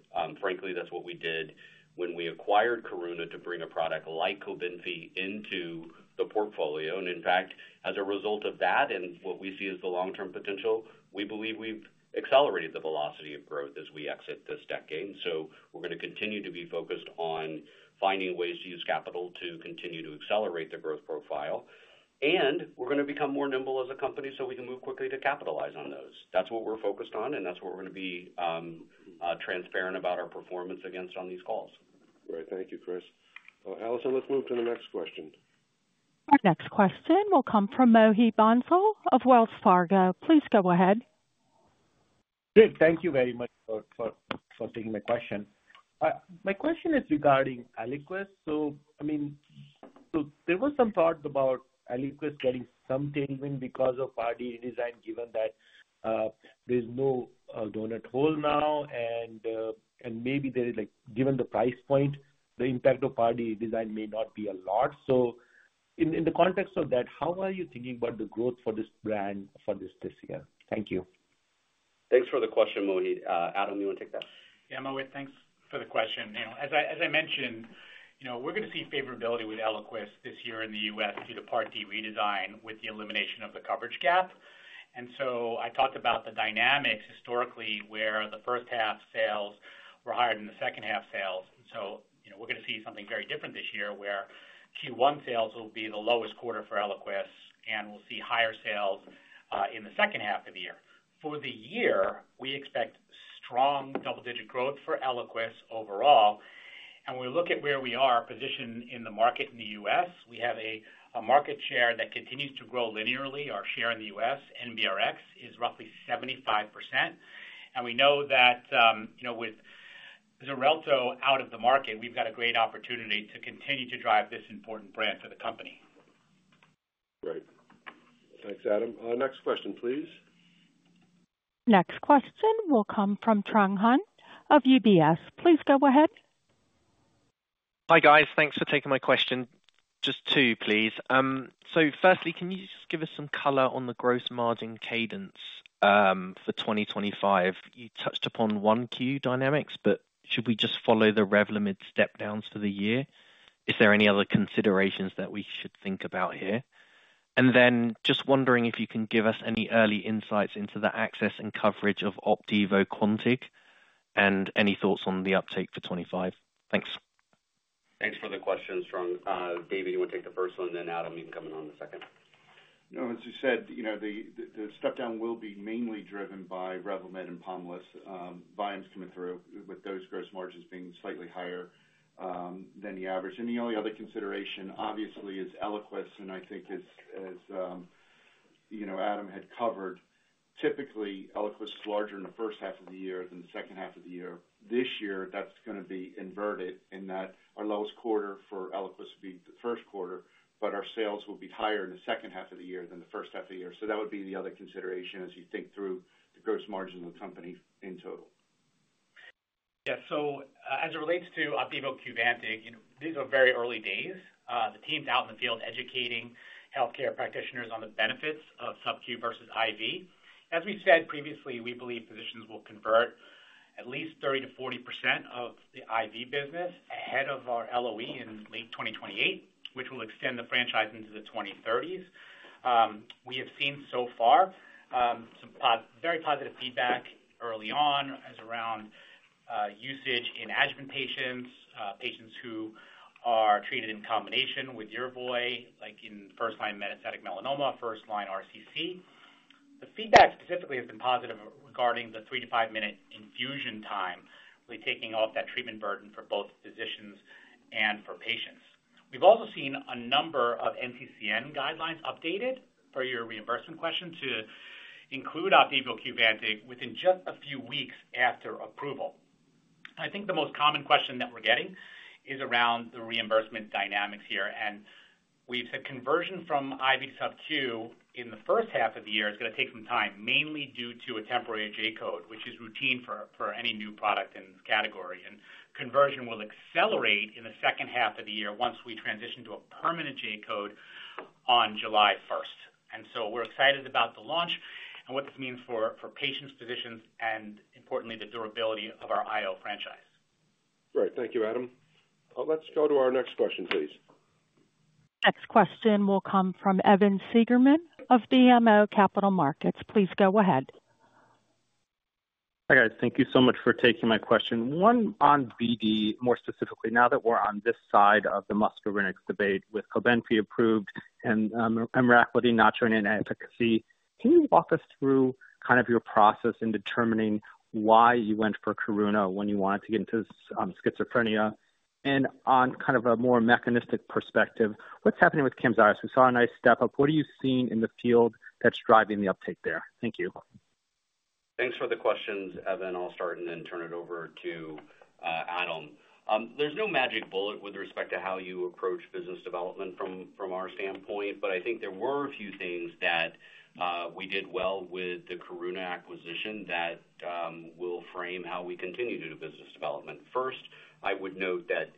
Frankly, that's what we did when we acquired Karuna to bring a product like Cobenfy into the portfolio. And in fact, as a result of that and what we see as the long-term potential, we believe we've accelerated the velocity of growth as we exit this decade. So we're going to continue to be focused on finding ways to use capital to continue to accelerate the growth profile. And we're going to become more nimble as a company so we can move quickly to capitalize on those. That's what we're focused on, and that's what we're going to be transparent about our performance against on these calls. Great. Thank you, Chris. Allison, let's move to the next question. Our next question will come from Mohit Bansal of Wells Fargo. Please go ahead. Good. Thank you very much for taking my question. My question is regarding Eliquis. So I mean, there were some thoughts about Eliquis getting some tailwind because of IRA redesign, given that there's no doughnut hole now. And maybe given the price point, the impact of IRA redesign may not be a lot. So in the context of that, how are you thinking about the growth for this brand for this year? Thank you. Thanks for the question, Mohit. Adam, you want to take that? Yeah, Mohit, thanks for the question. As I mentioned, we're going to see favorability with Eliquis this year in the U.S. due to Part D redesign with the elimination of the coverage gap, and so I talked about the dynamics historically where the first-half sales were higher than the second-half sales. And so we're going to see something very different this year where Q1 sales will be the lowest quarter for Eliquis, and we'll see higher sales in the second half of the year. For the year, we expect strong double-digit growth for Eliquis overall, and when we look at where we are positioned in the market in the U.S., we have a market share that continues to grow linearly. Our share in the U.S., NBRX, is roughly 75%, and we know that with Xarelto out of the market, we've got a great opportunity to continue to drive this important brand for the company. Great. Thanks, Adam. Next question, please. Next question will come from Trung Huynh of UBS. Please go ahead. Hi, guys. Thanks for taking my question. Just two, please. So firstly, can you just give us some color on the gross margin cadence for 2025? You touched upon 1Q dynamics, but should we just follow the Revlimid step-downs for the year? Is there any other considerations that we should think about here? And then just wondering if you can give us any early insights into the access and coverage of Opdivo SC and any thoughts on the uptake for 2025. Thanks. Thanks for the questions, Trung. David, you want to take the first one, then Adam, you can come in on the second. No, as you said, the step-down will be mainly driven by Revlimid and Pomalyst. Volumes coming through with those gross margins being slightly higher than the average. And the only other consideration, obviously, is Eliquis. And I think, as Adam had covered, typically, Eliquis is larger in the first half of the year than the second half of the year. This year, that's going to be inverted in that our lowest quarter for Eliquis will be the first quarter, but our sales will be higher in the second half of the year than the first half of the year. So that would be the other consideration as you think through the gross margin of the company in total. Yeah. So as it relates to Opdivo SC, these are very early days. The team's out in the field educating healthcare practitioners on the benefits of sub-Q versus IV. As we said previously, we believe physicians will convert at least 30%-40% of the IV business ahead of our LOE in late 2028, which will extend the franchise into the 2030s. We have seen so far some very positive feedback early on as around usage in adjuvant patients, patients who are treated in combination with Yervoy in first-line metastatic melanoma, first-line RCC. The feedback specifically has been positive regarding the three- to five-minute infusion time, really taking off that treatment burden for both physicians and for patients. We've also seen a number of NCCN guidelines updated per your reimbursement question to include Opdivo SC within just a few weeks after approval. I think the most common question that we're getting is around the reimbursement dynamics here. And we've said conversion from IV to sub-Q in the first half of the year is going to take some time, mainly due to a temporary J code, which is routine for any new product in this category. And conversion will accelerate in the second half of the year once we transition to a permanent J code on July 1st. And so we're excited about the launch and what this means for patients, physicians, and importantly, the durability of our IO franchise. Great. Thank you, Adam. Let's go to our next question, please. Next question will come from Evan Seigerman of BMO Capital Markets. Please go ahead. Hi, guys. Thank you so much for taking my question. One on BD, more specifically, now that we're on this side of the muscarinics debate with Cobenfy approved and Emraclidine not showing any efficacy, can you walk us through kind of your process in determining why you went for Karuna when you wanted to get into schizophrenia? And on kind of a more mechanistic perspective, what's happening with Camzyos? We saw a nice step up. What are you seeing in the field that's driving the uptake there? Thank you. Thanks for the questions, Evan. I'll start and then turn it over to Adam. There's no magic bullet with respect to how you approach business development from our standpoint, but I think there were a few things that we did well with the Karuna acquisition that will frame how we continue to do business development. First, I would note that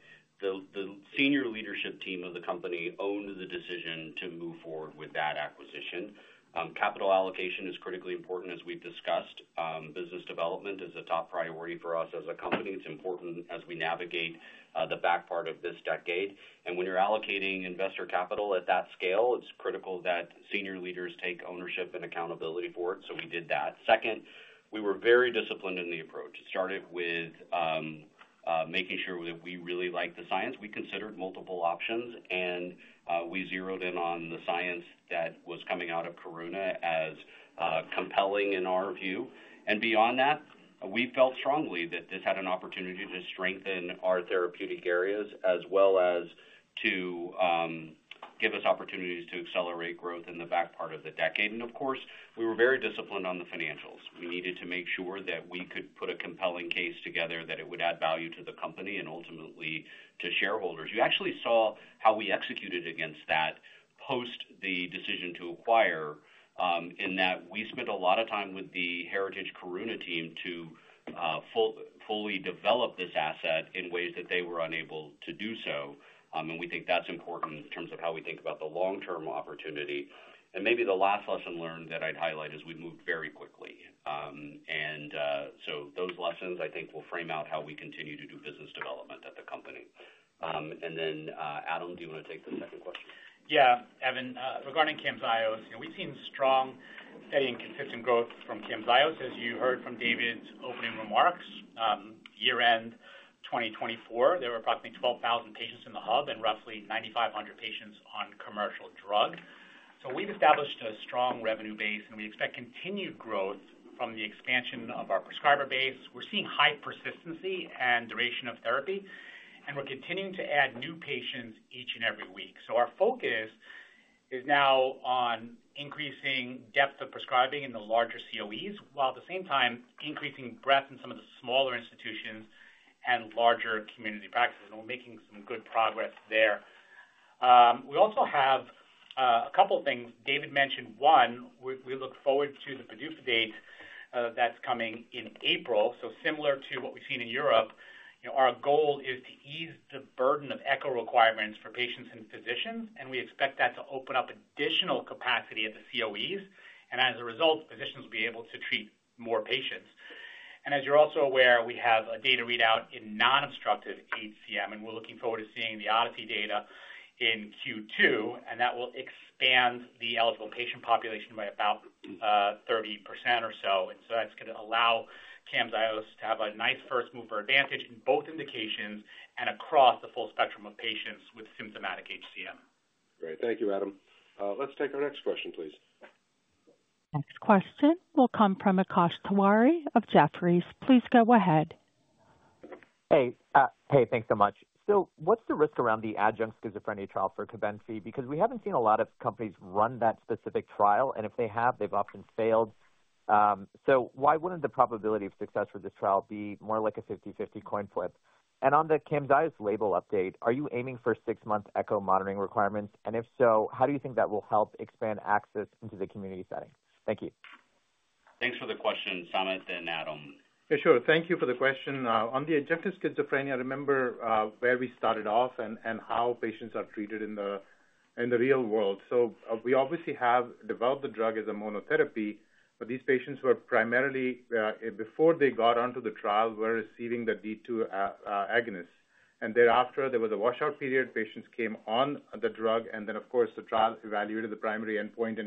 the senior leadership team of the company owned the decision to move forward with that acquisition. Capital allocation is critically important, as we've discussed. Business development is a top priority for us as a company. It's important as we navigate the back part of this decade. And when you're allocating investor capital at that scale, it's critical that senior leaders take ownership and accountability for it. So we did that. Second, we were very disciplined in the approach. It started with making sure that we really liked the science. We considered multiple options, and we zeroed in on the science that was coming out of Karuna as compelling in our view. And beyond that, we felt strongly that this had an opportunity to strengthen our therapeutic areas as well as to give us opportunities to accelerate growth in the back part of the decade. And of course, we were very disciplined on the financials. We needed to make sure that we could put a compelling case together that it would add value to the company and ultimately to shareholders. You actually saw how we executed against that post the decision to acquire in that we spent a lot of time with the Karuna team to fully develop this asset in ways that they were unable to do so. And we think that's important in terms of how we think about the long-term opportunity. And maybe the last lesson learned that I'd highlight is we moved very quickly. And so those lessons, I think, will frame out how we continue to do business development at the company. And then, Adam, do you want to take the second question? Yeah. Evan, regarding Camzyos, we've seen strong, steady, and consistent growth from Camzyos, as you heard from David's opening remarks. Year-end 2024, there were approximately 12,000 patients in the hub and roughly 9,500 patients on commercial drug, so we've established a strong revenue base, and we expect continued growth from the expansion of our prescriber base. We're seeing high persistency and duration of therapy, and we're continuing to add new patients each and every week, so our focus is now on increasing depth of prescribing in the larger COEs, while at the same time, increasing breadth in some of the smaller institutions and larger community practices, and we're making some good progress there. We also have a couple of things. David mentioned one, we look forward to the PDUFA date that's coming in April. So similar to what we've seen in Europe, our goal is to ease the burden of ECHO requirements for patients and physicians. And we expect that to open up additional capacity at the COEs. And as a result, physicians will be able to treat more patients. And as you're also aware, we have a data readout in non-obstructive HCM, and we're looking forward to seeing the Odyssey data in Q2. And that will expand the eligible patient population by about 30% or so. And so that's going to allow Camzyos to have a nice first-mover advantage in both indications and across the full spectrum of patients with symptomatic HCM. Great. Thank you, Adam. Let's take our next question, please. Next question will come from Akash Tewari of Jefferies. Please go ahead. Hey. Hey, thanks so much. So what's the risk around the adjunct schizophrenia trial for Cobenfy? Because we haven't seen a lot of companies run that specific trial, and if they have, they've often failed, so why wouldn't the probability of success for this trial be more like a 50/50 coin flip? And on the Camzyos's label update, are you aiming for six-month echo monitoring requirements? And if so, how do you think that will help expand access into the community setting? Thank you. Thanks for the question, Samit and Adam. Yeah, sure. Thank you for the question. On the adjunctive schizophrenia, remember where we started off and how patients are treated in the real world, so we obviously have developed the drug as a monotherapy, but these patients were primarily, before they got onto the trial, receiving the D2 agonist. And thereafter, there was a washout period. Patients came on the drug. And then, of course, the trial evaluated the primary endpoint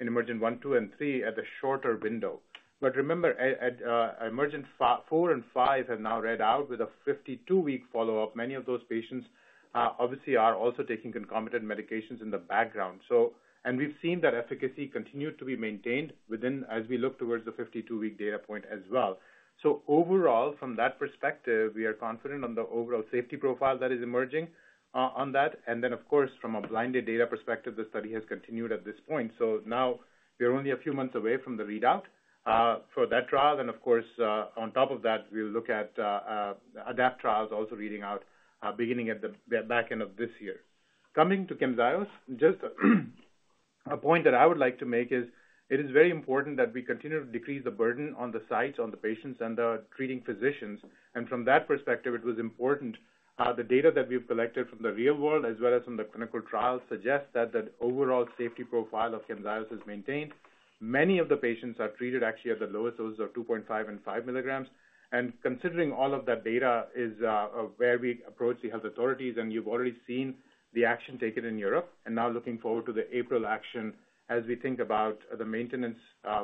in EMERGENT-1, EMERGENT-2, and EMERGENT-3 at the shorter window. But remember, EMERGENT-4 and EMERGENT-5 have now read out with a 52-week follow-up. Many of those patients obviously are also taking concomitant medications in the background. And we've seen that efficacy continue to be maintained as we look towards the 52-week data point as well. So overall, from that perspective, we are confident on the overall safety profile that is emerging on that. And then, of course, from a blinded data perspective, the study has continued at this point. So now we are only a few months away from the readout for that trial. And of course, on top of that, we'll look at ADAPT trials also reading out beginning at the back end of this year. Coming to Camzyos, just a point that I would like to make is it is very important that we continue to decrease the burden on the sites, on the patients, and the treating physicians. And from that perspective, it was important the data that we've collected from the real world as well as from the clinical trial suggests that the overall safety profile of Camzyos is maintained. Many of the patients are treated actually at the lowest doses of 2.5 and 5 milligrams. And considering all of that data is where we approach the health authorities, and you've already seen the action taken in Europe, and now looking forward to the April action as we think about the maintenance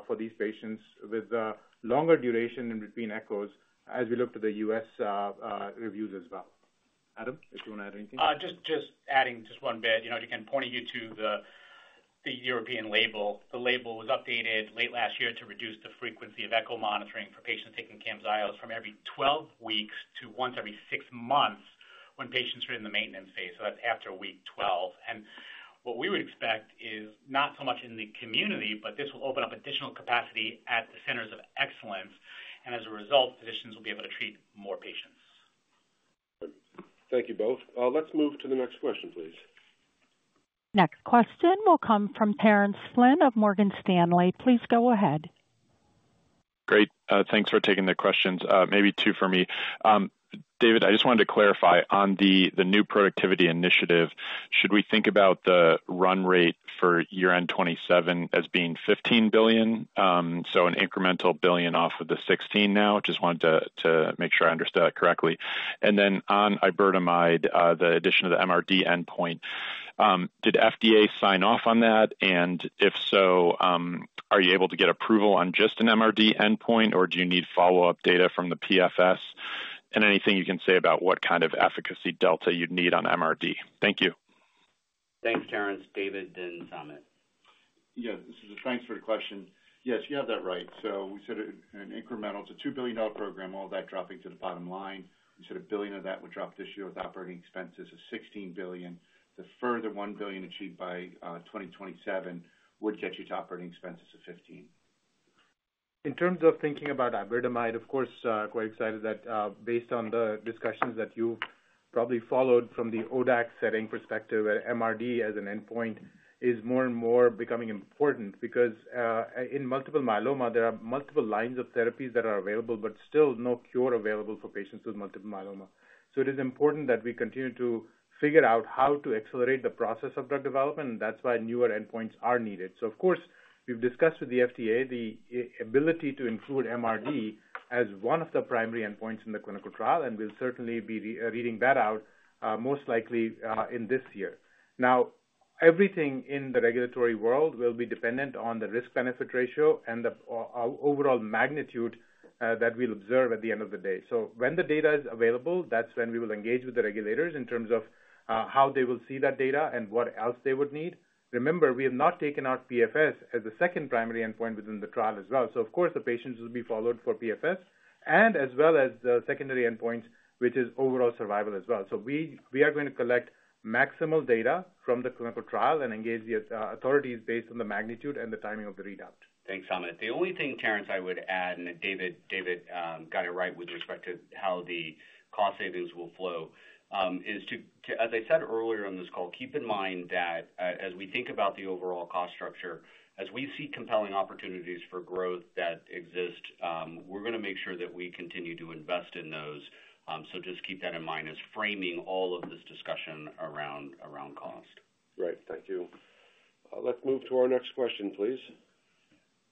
for these patients with the longer duration in between echos as we look to the U.S. reviews as well. Adam, if you want to add anything. Just adding just one bit. I can point you to the European label. The label was updated late last year to reduce the frequency of echo monitoring for patients taking Camzyos from every 12 weeks to once every six months when patients are in the maintenance phase. So that's after week 12, and what we would expect is not so much in the community, but this will open up additional capacity at the centers of excellence, and as a result, physicians will be able to treat more patients. Thank you both. Let's move to the next question, please. Next question will come from Terence Flynn of Morgan Stanley. Please go ahead. Great. Thanks for taking the questions. Maybe two for me. David, I just wanted to clarify on the new productivity initiative. Should we think about the run rate for year-end 2027 as being $15 billion, so an incremental $1 billion off of the $16 billion now? Just wanted to make sure I understood that correctly. And then on Iberdomide, the addition of the MRD endpoint, did FDA sign off on that? And if so, are you able to get approval on just an MRD endpoint, or do you need follow-up data from the PFS? And anything you can say about what kind of efficacy delta you'd need on MRD? Thank you. Thanks, Terence. David, then Samit. Yeah. Thanks for the question. Yes, you have that right. So we said an incremental to $2 billion program, all that dropping to the bottom line. We said a billion of that would drop this year with operating expenses of $16 billion. The further $1 billion achieved by 2027 would get you to operating expenses of $15. In terms of thinking about Iberdomide, of course, quite excited that based on the discussions that you've probably followed from the ODAC setting perspective, MRD as an endpoint is more and more becoming important because in multiple myeloma, there are multiple lines of therapies that are available, but still no cure available for patients with multiple myeloma. So it is important that we continue to figure out how to accelerate the process of drug development. And that's why newer endpoints are needed. So of course, we've discussed with the FDA the ability to include MRD as one of the primary endpoints in the clinical trial. And we'll certainly be reading that out most likely in this year. Now, everything in the regulatory world will be dependent on the risk-benefit ratio and the overall magnitude that we'll observe at the end of the day. So when the data is available, that's when we will engage with the regulators in terms of how they will see that data and what else they would need. Remember, we have not taken out PFS as the second primary endpoint within the trial as well. So of course, the patients will be followed for PFS and as well as the secondary endpoint, which is overall survival as well. So we are going to collect maximal data from the clinical trial and engage the authorities based on the magnitude and the timing of the readout. Thanks, Samit. The only thing, Terence, I would add, and David got it right with respect to how the cost savings will flow, is to, as I said earlier on this call, keep in mind that as we think about the overall cost structure, as we see compelling opportunities for growth that exist, we're going to make sure that we continue to invest in those. So just keep that in mind as framing all of this discussion around cost. Great. Thank you. Let's move to our next question, please.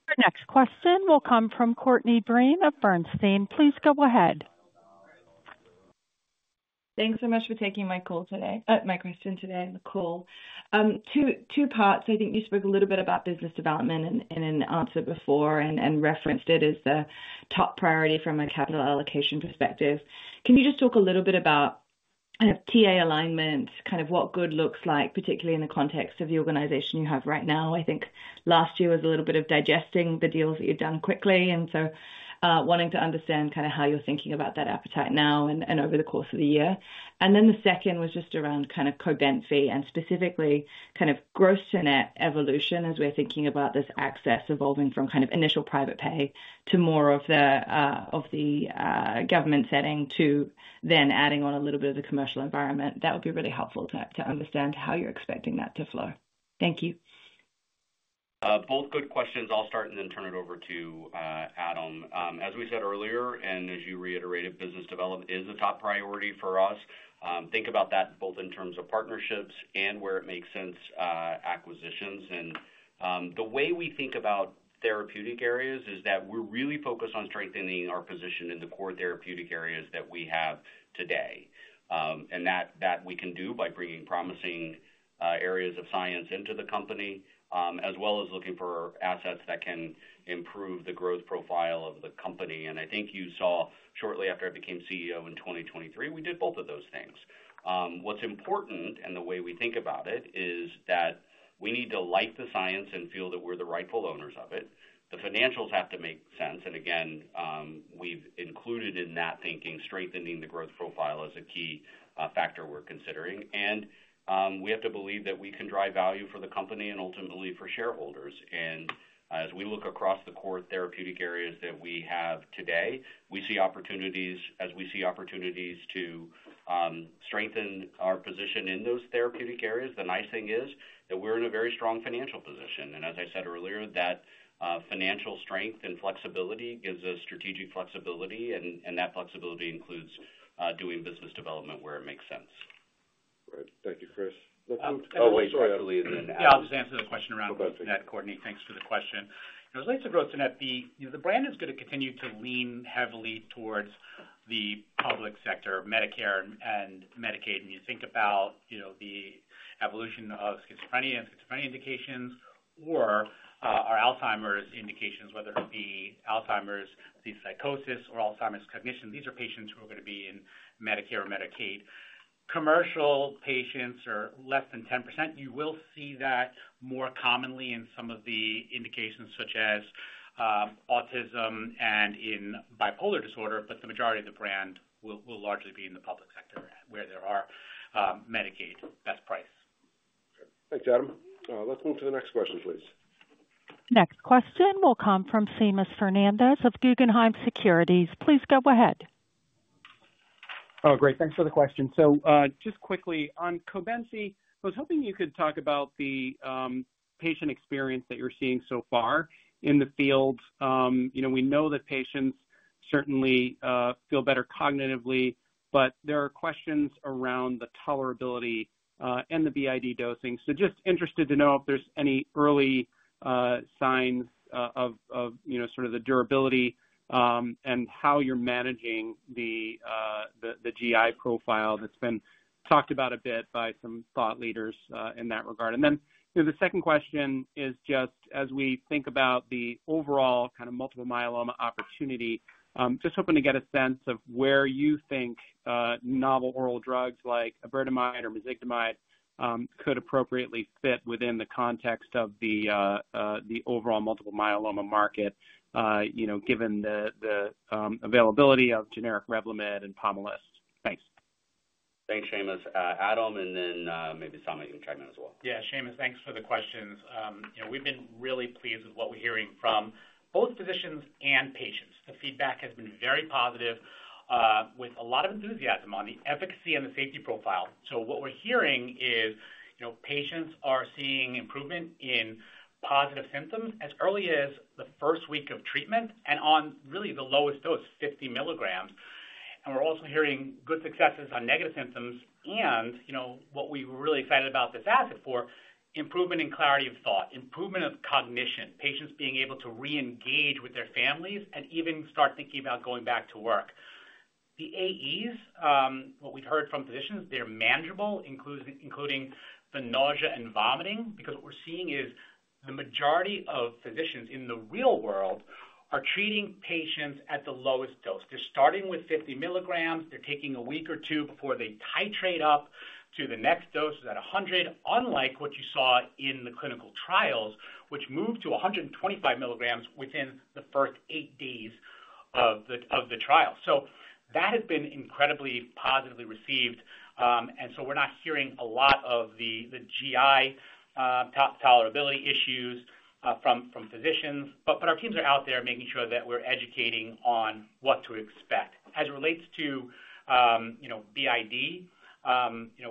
Our next question will come from Courtney Breen of Bernstein. Please go ahead. Thanks so much for taking my call today. My question today, Nicole. Two parts. I think you spoke a little bit about business development in an answer before and referenced it as the top priority from a capital allocation perspective. Can you just talk a little bit about kind of TA alignment, kind of what good looks like, particularly in the context of the organization you have right now? I think last year was a little bit of digesting the deals that you've done quickly and so wanting to understand kind of how you're thinking about that appetite now and over the course of the year. And then the second was just around kind of Cobenfy and specifically kind of gross to net evolution as we're thinking about this access evolving from kind of initial private pay to more of the government setting to then adding on a little bit of the commercial environment. That would be really helpful to understand how you're expecting that to flow. Thank you. Both good questions. I'll start and then turn it over to Adam. As we said earlier, and as you reiterated, business development is a top priority for us. Think about that both in terms of partnerships and where it makes sense, acquisitions. And the way we think about therapeutic areas is that we're really focused on strengthening our position in the core therapeutic areas that we have today and that we can do by bringing promising areas of science into the company as well as looking for assets that can improve the growth profile of the company. And I think you saw shortly after I became CEO in 2023, we did both of those things. What's important and the way we think about it is that we need to like the science and feel that we're the rightful owners of it. The financials have to make sense. Again, we've included in that thinking strengthening the growth profile as a key factor we're considering. We have to believe that we can drive value for the company and ultimately for shareholders. As we look across the core therapeutic areas that we have today, we see opportunities to strengthen our position in those therapeutic areas. The nice thing is that we're in a very strong financial position. As I said earlier, that financial strength and flexibility gives us strategic flexibility. That flexibility includes doing business development where it makes sense. Right. Thank you, Chris. Let's move to the next question. Oh, wait. Sorry. Yeah, I was going to answer the question around gross to net. Thanks for the question. As relates to gross to net, the brand is going to continue to lean heavily towards the public sector, Medicare and Medicaid. You think about the evolution of schizophrenia and schizophrenia indications or our Alzheimer's indications, whether it be Alzheimer's, the psychosis, or Alzheimer's cognition. These are patients who are going to be in Medicare or Medicaid. Commercial patients are less than 10%. You will see that more commonly in some of the indications such as autism and in bipolar disorder, but the majority of the brand will largely be in the public sector where there are Medicaid best price. Thanks, Adam. Let's move to the next question, please. Next question will come from Seamus Fernandez of Guggenheim Securities. Please go ahead. Oh, great. Thanks for the question. So just quickly on Cobenfy, I was hoping you could talk about the patient experience that you're seeing so far in the field. We know that patients certainly feel better cognitively, but there are questions around the tolerability and the BID dosing. So just interested to know if there's any early signs of sort of the durability and how you're managing the GI profile that's been talked about a bit by some thought leaders in that regard. And then the second question is just as we think about the overall kind of multiple myeloma opportunity, just hoping to get a sense of where you think novel oral drugs like Iberdomide or Mezigdomide could appropriately fit within the context of the overall multiple myeloma market given the availability of generic Revlimid and Pomalyst. Thanks. Thanks, Seamus. Adam, and then maybe Samit can chime in as well. Yeah, Seamus, thanks for the questions. We've been really pleased with what we're hearing from both physicians and patients. The feedback has been very positive with a lot of enthusiasm on the efficacy and the safety profile. What we're hearing is patients are seeing improvement in positive symptoms as early as the first week of treatment and on really the lowest dose, 50 milligrams. We're also hearing good successes on negative symptoms. What we were really excited about this asset for, improvement in clarity of thought, improvement of cognition, patients being able to re-engage with their families and even start thinking about going back to work. The AEs, what we've heard from physicians, they're manageable, including the nausea and vomiting, because what we're seeing is the majority of physicians in the real world are treating patients at the lowest dose. They're starting with 50 milligrams. They're taking a week or two before they titrate up to the next dose at 100, unlike what you saw in the clinical trials, which moved to 125 milligrams within the first eight days of the trial. So that has been incredibly positively received. And so we're not hearing a lot of the GI tolerability issues from physicians, but our teams are out there making sure that we're educating on what to expect. As it relates to BID,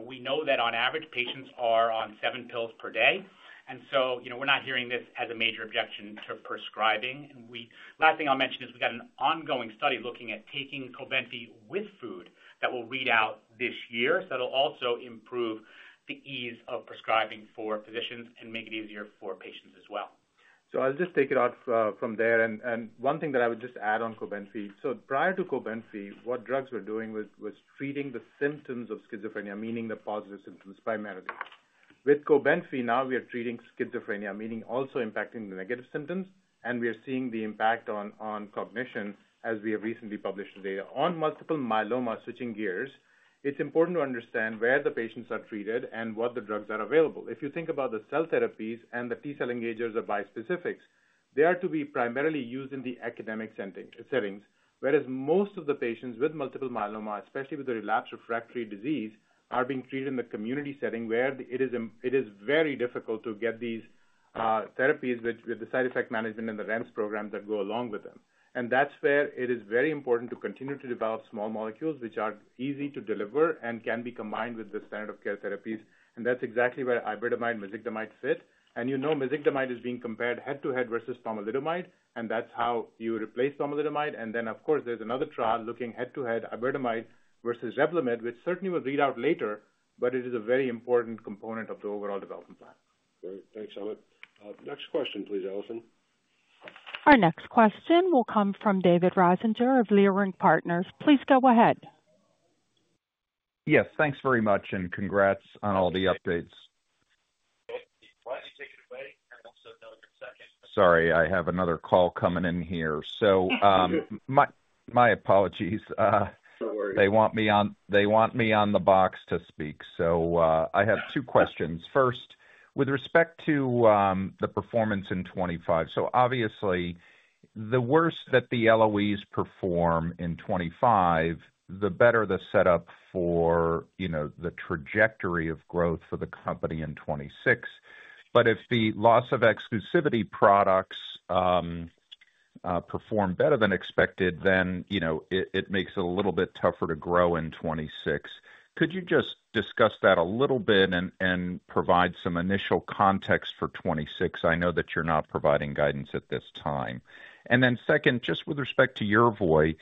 we know that on average, patients are on seven pills per day. And so we're not hearing this as a major objection to prescribing. And the last thing I'll mention is we got an ongoing study looking at taking Cobenfy with food that will read out this year. So it'll also improve the ease of prescribing for physicians and make it easier for patients as well. So I'll just hand it off from there. And one thing that I would just add on Cobenfy, so prior to Cobenfy, what drugs were doing was treating the symptoms of schizophrenia, meaning the positive symptoms primarily. With Cobenfy, now we are treating schizophrenia, meaning also impacting the negative symptoms, and we are seeing the impact on cognition as we have recently published data. On multiple myeloma, switching gears. It's important to understand where the patients are treated and what the drugs are available. If you think about the cell therapies and the T-cell engagers or bispecifics, they are to be primarily used in the academic settings, whereas most of the patients with multiple myeloma, especially with the relapse refractory disease, are being treated in the community setting where it is very difficult to get these therapies with the side effect management and the REMS programs that go along with them, and that's where it is very important to continue to develop small molecules which are easy to deliver and can be combined with the standard of care therapies, and that's exactly where Iberdomide and Mezigdomide fit. You know Mezigdomide is being compared head-to-head versus pomalidomide, and that's how you replace pomalidomide. And then, of course, there's another trial looking head-to-head Iberdomide versus Revlimid, which certainly will read out later, but it is a very important component of the overall development plan. Great. Thanks, Samit. Next question, please, Allison. Our next question will come from David Risinger of Leerink Partners. Please go ahead. Yes. Thanks very much and congrats on all the updates. Why don't you take it away? And also know your second. Sorry, I have another call coming in here. So my apologies. No worries. They want me on the box to speak. So I have two questions. First, with respect to the performance in 2025, so obviously, the worse that the LOEs perform in 2025, the better the setup for the trajectory of growth for the company in 2026. But if the loss of exclusivity products perform better than expected, then it makes it a little bit tougher to grow in 2026. Could you just discuss that a little bit and provide some initial context for 2026? I know that you're not providing guidance at this time. And then second, just with respect to Opdivo,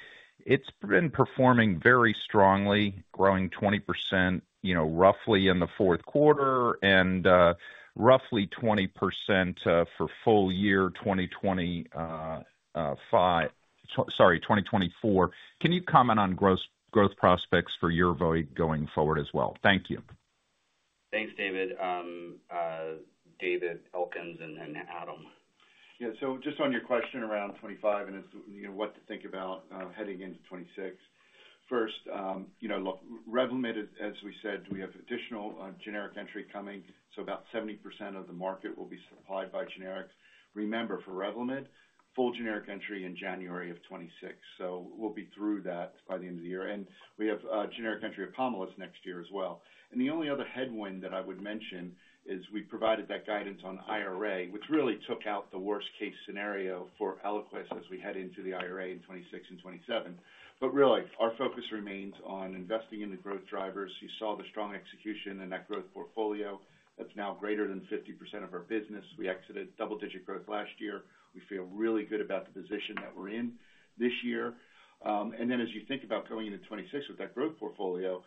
it's been performing very strongly, growing roughly 20% in the fourth quarter and roughly 20% for full year 2024. Can you comment on growth prospects for Opdivo going forward as well? Thank you. Thanks, David. David Elkins and Adam. Yeah. So just on your question around 2025 and what to think about heading into 2026, first, Revlimid, as we said, we have additional generic entry coming. So about 70% of the market will be supplied by generics. Remember, for Revlimid, full generic entry in January of 2026. So we'll be through that by the end of the year. And we have generic entry of Pomalyst next year as well. And the only other headwind that I would mention is we provided that guidance on IRA, which really took out the worst-case scenario for Eliquis as we head into the IRA in 2026 and 2027. But really, our focus remains on investing in the growth drivers. You saw the strong execution in that growth portfolio. That's now greater than 50% of our business. We exited double-digit growth last year. We feel really good about the position that we're in this year. And then as you think about going into 2026 with that growth portfolio,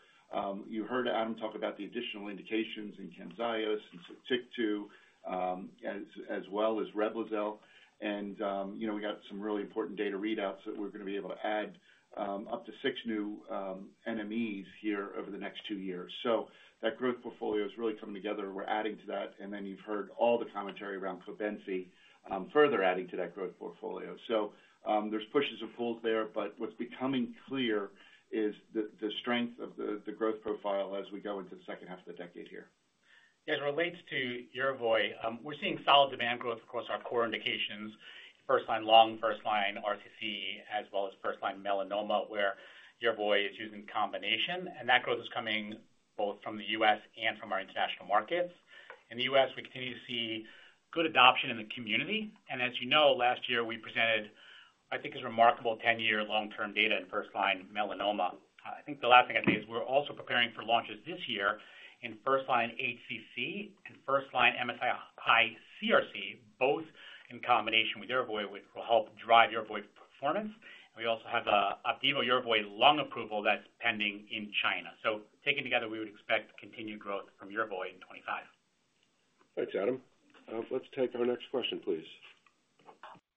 you heard Adam talk about the additional indications in Camzyos and Sotyktu as well as Reblozyl. We got some really important data readouts that we're going to be able to add up to six new NMEs here over the next two years. That growth portfolio is really coming together. We're adding to that. Then you've heard all the commentary around Cobenfy further adding to that growth portfolio. There's pushes and pulls there, but what's becoming clear is the strength of the growth profile as we go into the second half of the decade here. As it relates to Opdivo, we're seeing solid demand growth across our core indications, first-line lung, first-line RCC, as well as first-line melanoma where Opdivo is used in combination. That growth is coming both from the U.S. and from our international markets. In the U.S., we continue to see good adoption in the community. And as you know, last year, we presented, I think, remarkable 10-year long-term data in first-line melanoma. I think the last thing I'd say is we're also preparing for launches this year in first-line HCC and first-line MSI high CRC, both in combination with Yervoy, which will help drive Yervoy performance. And we also have Opdivo Yervoy lung approval that's pending in China. So taken together, we would expect continued growth from Yervoy in 2025. Thanks, Adam. Let's take our next question, please.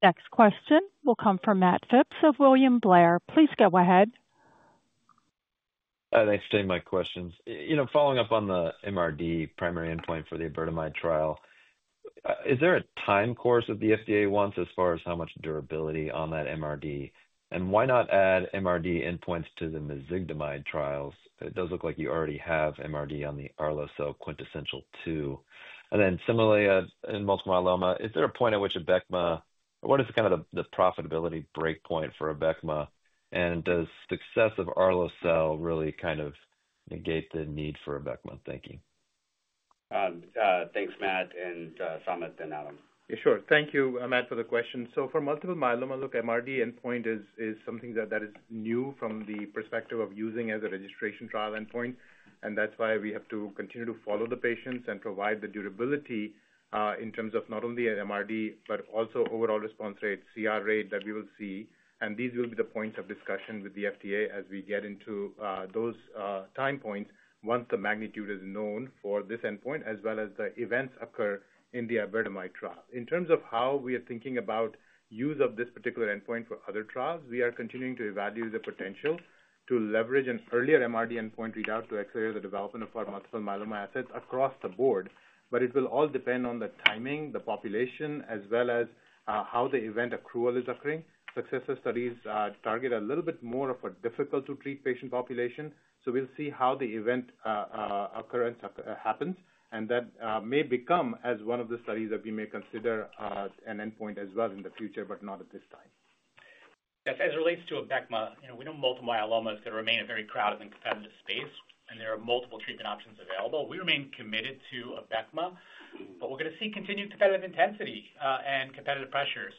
Next question will come from Matt Phipps of William Blair. Please go ahead. Thanks for taking my questions. Following up on the MRD primary endpoint for the Iberdomide trial, is there a time course that the FDA wants as far as how much durability on that MRD? And why not add MRD endpoints to the Mezigdomide trials? It does look like you already have MRD on the Arlocel QUINTESSENTIAL. And then similarly, in multiple myeloma, is there a point at which Abecma, or what is kind of the profitability breakpoint for Abecma? And does success of Arlocel really kind of negate the need for Abecma? Thank you. Thanks, Matt and Samit and Adam. Yeah, sure. Thank you, Matt, for the question. So for multiple myeloma, look, MRD endpoint is something that is new from the perspective of using as a registration trial endpoint. And that's why we have to continue to follow the patients and provide the durability in terms of not only an MRD, but also overall response rate, CR rate that we will see. And these will be the points of discussion with the FDA as we get into those time points once the magnitude is known for this endpoint, as well as the events occur in the Iberdomide trial. In terms of how we are thinking about use of this particular endpoint for other trials, we are continuing to evaluate the potential to leverage an earlier MRD endpoint readout to accelerate the development of our multiple myeloma assets across the board. But it will all depend on the timing, the population, as well as how the event accrual is occurring. Successor studies target a little bit more of a difficult-to-treat patient population. So we'll see how the event occurrence happens. And that may become as one of the studies that we may consider an endpoint as well in the future, but not at this time. As it relates to Abecma, we know multiple myeloma is going to remain a very crowded and competitive space, and there are multiple treatment options available. We remain committed to Abecma, but we're going to see continued competitive intensity and competitive pressures.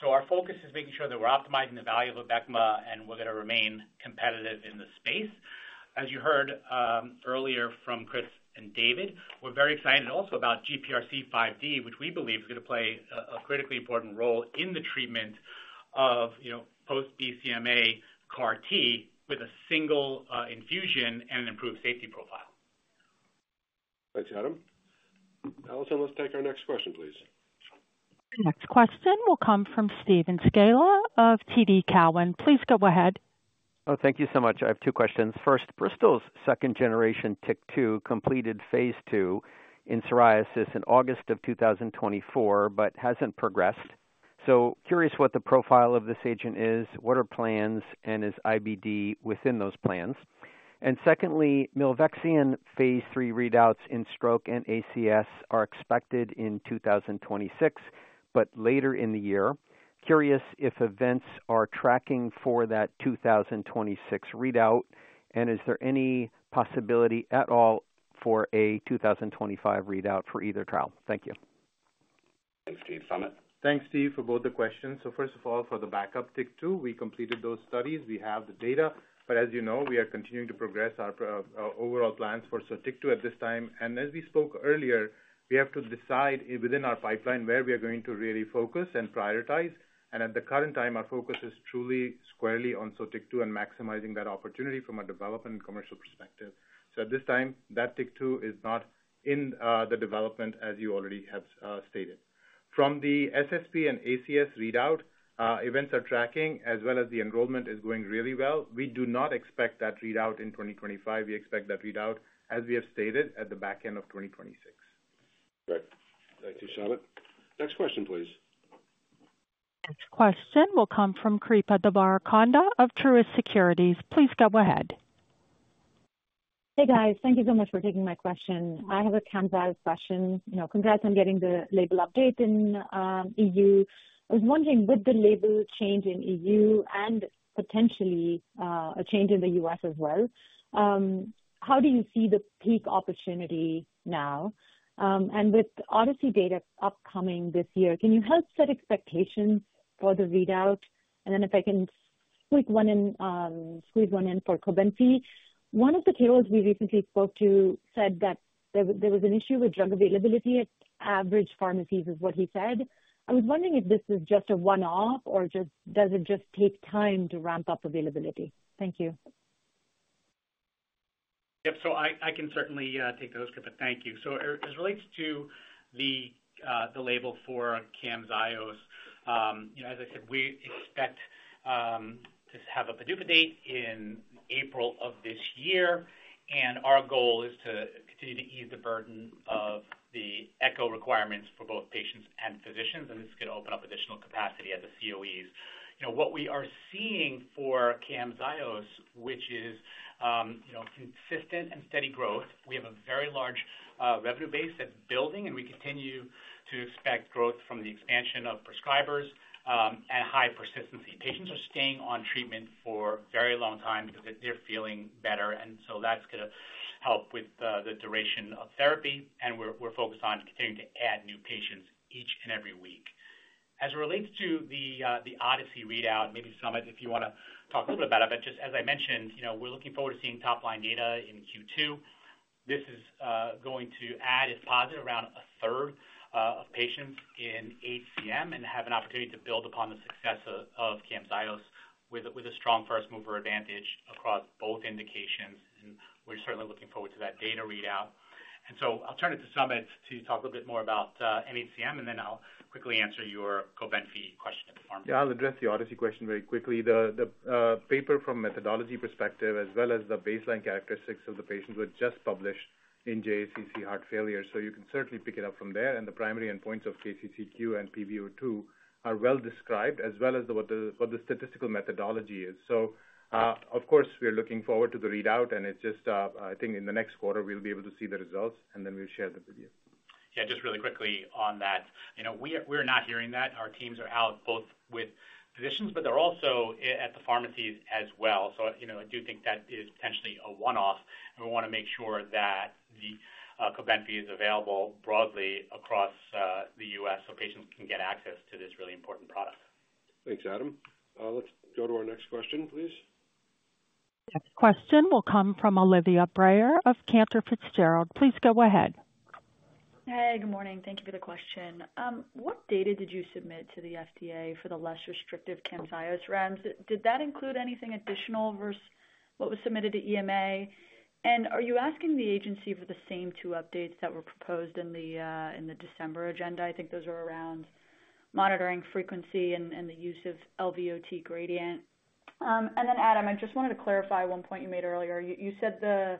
So our focus is making sure that we're optimizing the value of Abecma, and we're going to remain competitive in the space. As you heard earlier from Chris and David, we're very excited also about GPRC5D, which we believe is going to play a critically important role in the treatment of post-BCMA CAR-T with a single infusion and an improved safety profile. Thanks, Adam. Alison, let's take our next question, please. Next question will come from Steve Scala of TD Cowen. Please go ahead. Oh, thank you so much. I have two questions. First, Bristol's second-generation TYK2 completed phase two in psoriasis in August of 2024, but hasn't progressed. So curious what the profile of this agent is, what are plans, and is IBD within those plans? And secondly, Milvexion phase three readouts in stroke and ACS are expected in 2026, but later in the year. Curious if events are tracking for that 2026 readout, and is there any possibility at all for a 2025 readout for either trial? Thank you. Thanks, Steve. Samit. Thanks, Steve, for both the questions. So first of all, for the backup TYK2, we completed those studies. We have the data. But as you know, we are continuing to progress our overall plans for Sotyktu at this time. And as we spoke earlier, we have to decide within our pipeline where we are going to really focus and prioritize. At the current time, our focus is truly squarely on Sotyktu and maximizing that opportunity from a development and commercial perspective. At this time, that TYK2 is not in the development, as you already have stated. From the SSP and ACS readout, events are tracking, as well as the enrollment is going really well. We do not expect that readout in 2025. We expect that readout, as we have stated, at the back end of 2026. Great. Thank you, Samit. Next question, please. Next question will come from Kripa Devarakonda of Truist Securities. Please go ahead. Hey, guys. Thank you so much for taking my question. I have a Camzyos question. Congrats on getting the label update in EU. I was wondering, with the label change in EU and potentially a change in the U.S. as well, how do you see the peak opportunity now? With ODYSSEY data upcoming this year, can you help set expectations for the readout? And then if I can squeeze one in for Cobenfy, one of the TAOs we recently spoke to said that there was an issue with drug availability at average pharmacies, is what he said. I was wondering if this is just a one-off or does it just take time to ramp up availability? Thank you. Yep. I can certainly take those, Kripa. Thank you. As it relates to the label for Camzyos, as I said, we expect to have a PDUFA date in April of this year. Our goal is to continue to ease the burden of the ECHO requirements for both patients and physicians. This is going to open up additional capacity at the COEs. What we are seeing for Camzyos, which is consistent and steady growth, we have a very large revenue base that's building, and we continue to expect growth from the expansion of prescribers and high persistency. Patients are staying on treatment for a very long time because they're feeling better. And so that's going to help with the duration of therapy. And we're focused on continuing to add new patients each and every week. As it relates to the Odyssey readout, maybe Samit, if you want to talk a little bit about it, but just as I mentioned, we're looking forward to seeing top-line data in Q2. This is going to add, if positive, around a third of patients in HCM and have an opportunity to build upon the success of Camzyos with a strong first-mover advantage across both indications. And we're certainly looking forward to that data readout. And so I'll turn it to Samit to talk a little bit more about nHCM, and then I'll quickly answer your Cobenfy question at the pharmacy. Yeah, I'll address the ODYSSEY question very quickly. The paper from a methodology perspective, as well as the baseline characteristics of the patients, was just published in JACC Heart Failure. So you can certainly pick it up from there. And the primary endpoints of KCCQ and pVO2 are well described, as well as what the statistical methodology is. So of course, we're looking forward to the readout, and it's just, I think, in the next quarter, we'll be able to see the results, and then we'll share the video. Yeah, just really quickly on that. We're not hearing that. Our teams are out both with physicians, but they're also at the pharmacies as well. So I do think that is potentially a one-off. And we want to make sure that the Cobenfy is available broadly across the U.S. so patients can get access to this really important product. Thanks, Adam. Let's go to our next question, please. Next question will come from Olivia Brayer of Cantor Fitzgerald. Please go ahead. Hey, good morning. Thank you for the question. What data did you submit to the FDA for the less restrictive Camzyos REMS? Did that include anything additional versus what was submitted to EMA? And are you asking the agency for the same two updates that were proposed in the December agenda? I think those are around monitoring frequency and the use of LVOT gradient. And then, Adam, I just wanted to clarify one point you made earlier. You said the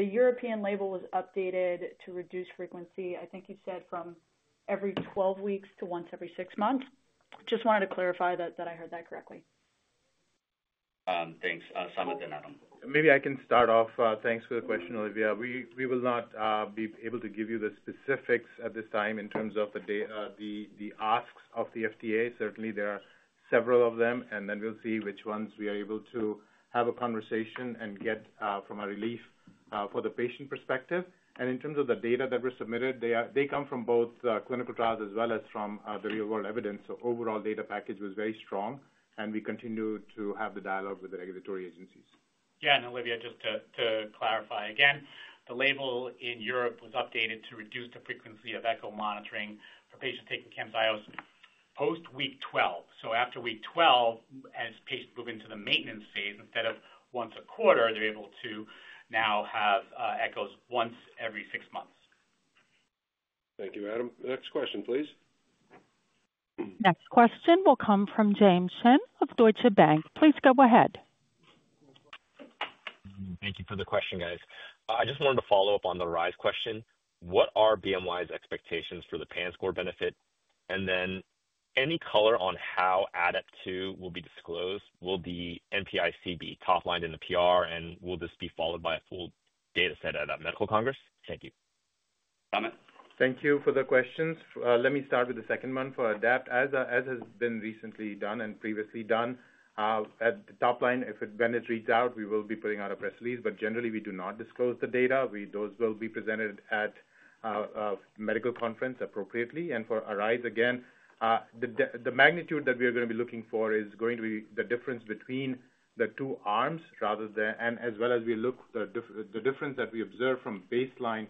European label was updated to reduce frequency. I think you said from every 12 weeks to once every six months. Just wanted to clarify that I heard that correctly. Thanks. Samit and Adam. Maybe I can start off. Thanks for the question, Olivia. We will not be able to give you the specifics at this time in terms of the asks of the FDA. Certainly, there are several of them, and then we'll see which ones we are able to have a conversation and get from a relief for the patient perspective. And in terms of the data that were submitted, they come from both clinical trials as well as from the real-world evidence. So overall data package was very strong, and we continue to have the dialogue with the regulatory agencies. Yeah. And Olivia, just to clarify again, the label in Europe was updated to reduce the frequency of ECHO monitoring for patients taking Camzyos post week 12. So after week 12, as patients move into the maintenance phase, instead of once a quarter, they're able to now have echos once every six months. Thank you, Adam. Next question, please. Next question will come from James Shin of Deutsche Bank. Please go ahead. Thank you for the question, guys. I just wanted to follow up on the ARISE question. What are BMY's expectations for the PANSS score benefit? And then any color on how ADAPT-2 will be disclosed? Will the PANSS be top-lined in the PR, and will this be followed by a full data set at that medical congress? Thank you. Samit. Thank you for the questions. Let me start with the second one for ADAPT, as has been recently done and previously done. At the top line, when it reads out, we will be putting out a press release. But generally, we do not disclose the data. Those will be presented at medical conferences appropriately. And for ARISE, again, the magnitude that we are going to be looking for is going to be the difference between the two arms, and as well as we look, the difference that we observe from baseline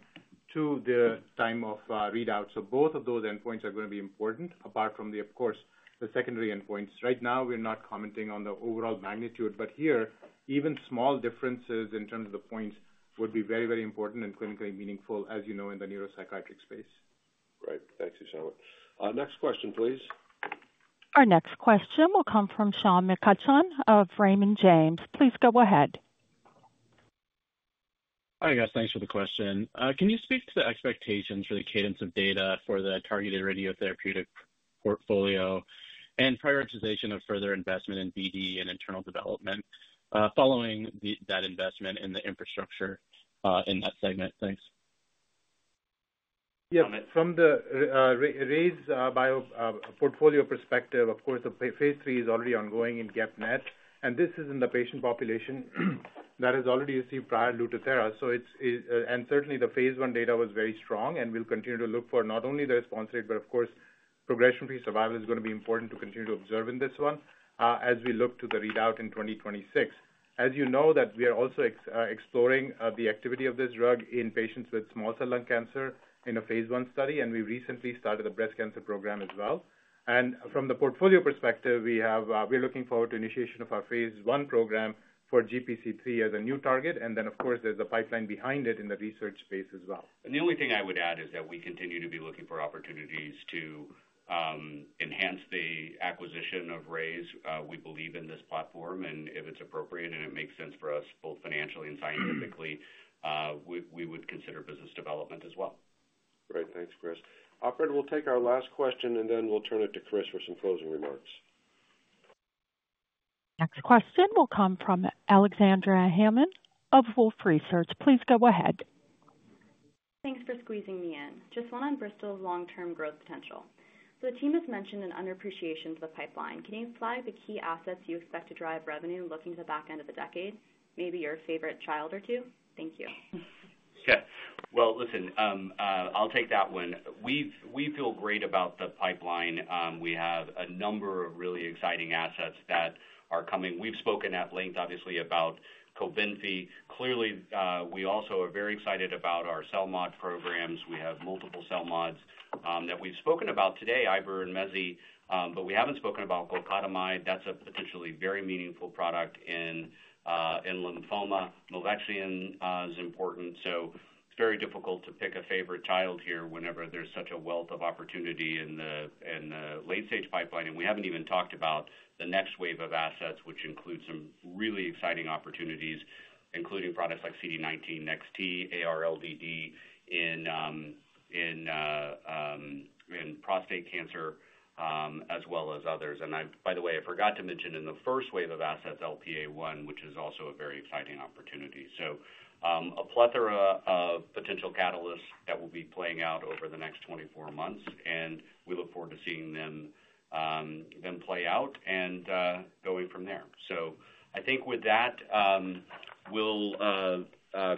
to the time of readout. So both of those endpoints are going to be important, apart from the, of course, the secondary endpoints. Right now, we're not commenting on the overall magnitude. But here, even small differences in terms of the points would be very, very important and clinically meaningful, as you know, in the neuropsychiatric space. Right. Thanks, Samit. Next question, please. Our next question will come from Sean McCutcheon of Raymond James. Please go ahead. Hi, guys. Thanks for the question. Can you speak to the expectations for the cadence of data for the targeted radiotherapeutic portfolio and prioritization of further investment in BD and internal development following that investment in the infrastructure in that segment? Thanks. Yeah. From the RYZ101 portfolio perspective, of course, the phase 3 is already ongoing in GEP-NET. And this is in the patient population that has already received prior Lutathera. And certainly, the phase 1 data was very strong, and we'll continue to look for not only the response rate, but of course, progression-free survival is going to be important to continue to observe in this one as we look to the readout in 2026. As you know, that we are also exploring the activity of this drug in patients with small cell lung cancer in a phase 1 study, and we recently started a breast cancer program as well. From the portfolio perspective, we are looking forward to initiation of our phase one program for GPC3 as a new target. And then, of course, there's a pipeline behind it in the research space as well. The only thing I would add is that we continue to be looking for opportunities to enhance the acquisition of Rayze. We believe in this platform, and if it's appropriate and it makes sense for us both financially and scientifically, we would consider business development as well. Right. Thanks, Chris. Operator, we'll take our last question, and then we'll turn it to Chris for some closing remarks. Next question will come from Alexandria Hammond of Wolfe Research. Please go ahead. Thanks for squeezing me in. Just one on Bristol's long-term growth potential. So the team has mentioned an underappreciation to the pipeline. Can you apply the key assets you expect to drive revenue looking to the back end of the decade? Maybe your favorite child or two. Thank you. Yeah. Well, listen, I'll take that one. We feel great about the pipeline. We have a number of really exciting assets that are coming. We've spoken at length, obviously, about Cobenfy. Clearly, we also are very excited about our CELMoD programs. We have multiple CELMoDs that we've spoken about today, Iberdomide and Mezigdomide, but we haven't spoken about Golcadomide. That's a potentially very meaningful product in lymphoma. Milvexion is important. So it's very difficult to pick a favorite child here whenever there's such a wealth of opportunity in the late-stage pipeline. And we haven't even talked about the next wave of assets, which includes some really exciting opportunities, including products like CD19-NEX-T, AR-LBD in prostate cancer, as well as others. And by the way, I forgot to mention in the first wave of assets, LPA1, which is also a very exciting opportunity. So a plethora of potential catalysts that will be playing out over the next 24 months. And we look forward to seeing them play out and going from there. So I think with that, we'll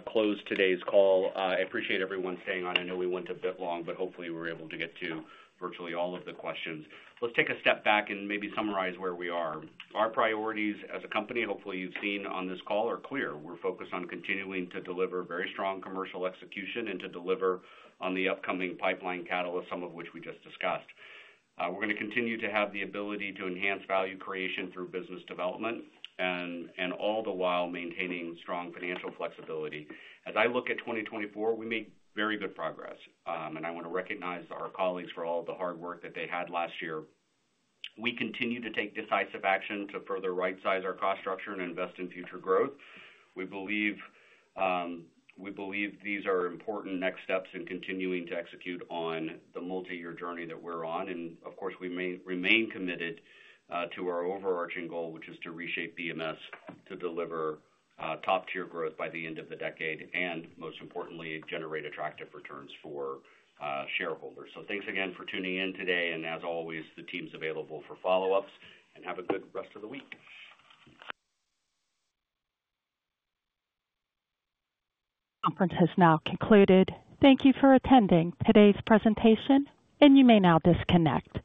close today's call. I appreciate everyone staying on. I know we went a bit long, but hopefully, we were able to get to virtually all of the questions. Let's take a step back and maybe summarize where we are. Our priorities as a company, hopefully, you've seen on this call, are clear. We're focused on continuing to deliver very strong commercial execution and to deliver on the upcoming pipeline catalysts, some of which we just discussed. We're going to continue to have the ability to enhance value creation through business development and all the while maintaining strong financial flexibility. As I look at 2024, we made very good progress, and I want to recognize our colleagues for all the hard work that they had last year. We continue to take decisive action to further right-size our cost structure and invest in future growth. We believe these are important next steps in continuing to execute on the multi-year journey that we're on, and of course, we remain committed to our overarching goal, which is to reshape BMS to deliver top-tier growth by the end of the decade and, most importantly, generate attractive returns for shareholders. Thanks again for tuning in today. As always, the team's available for follow-ups, and have a good rest of the week. The conference has now concluded. Thank you for attending today's presentation, and you may now disconnect.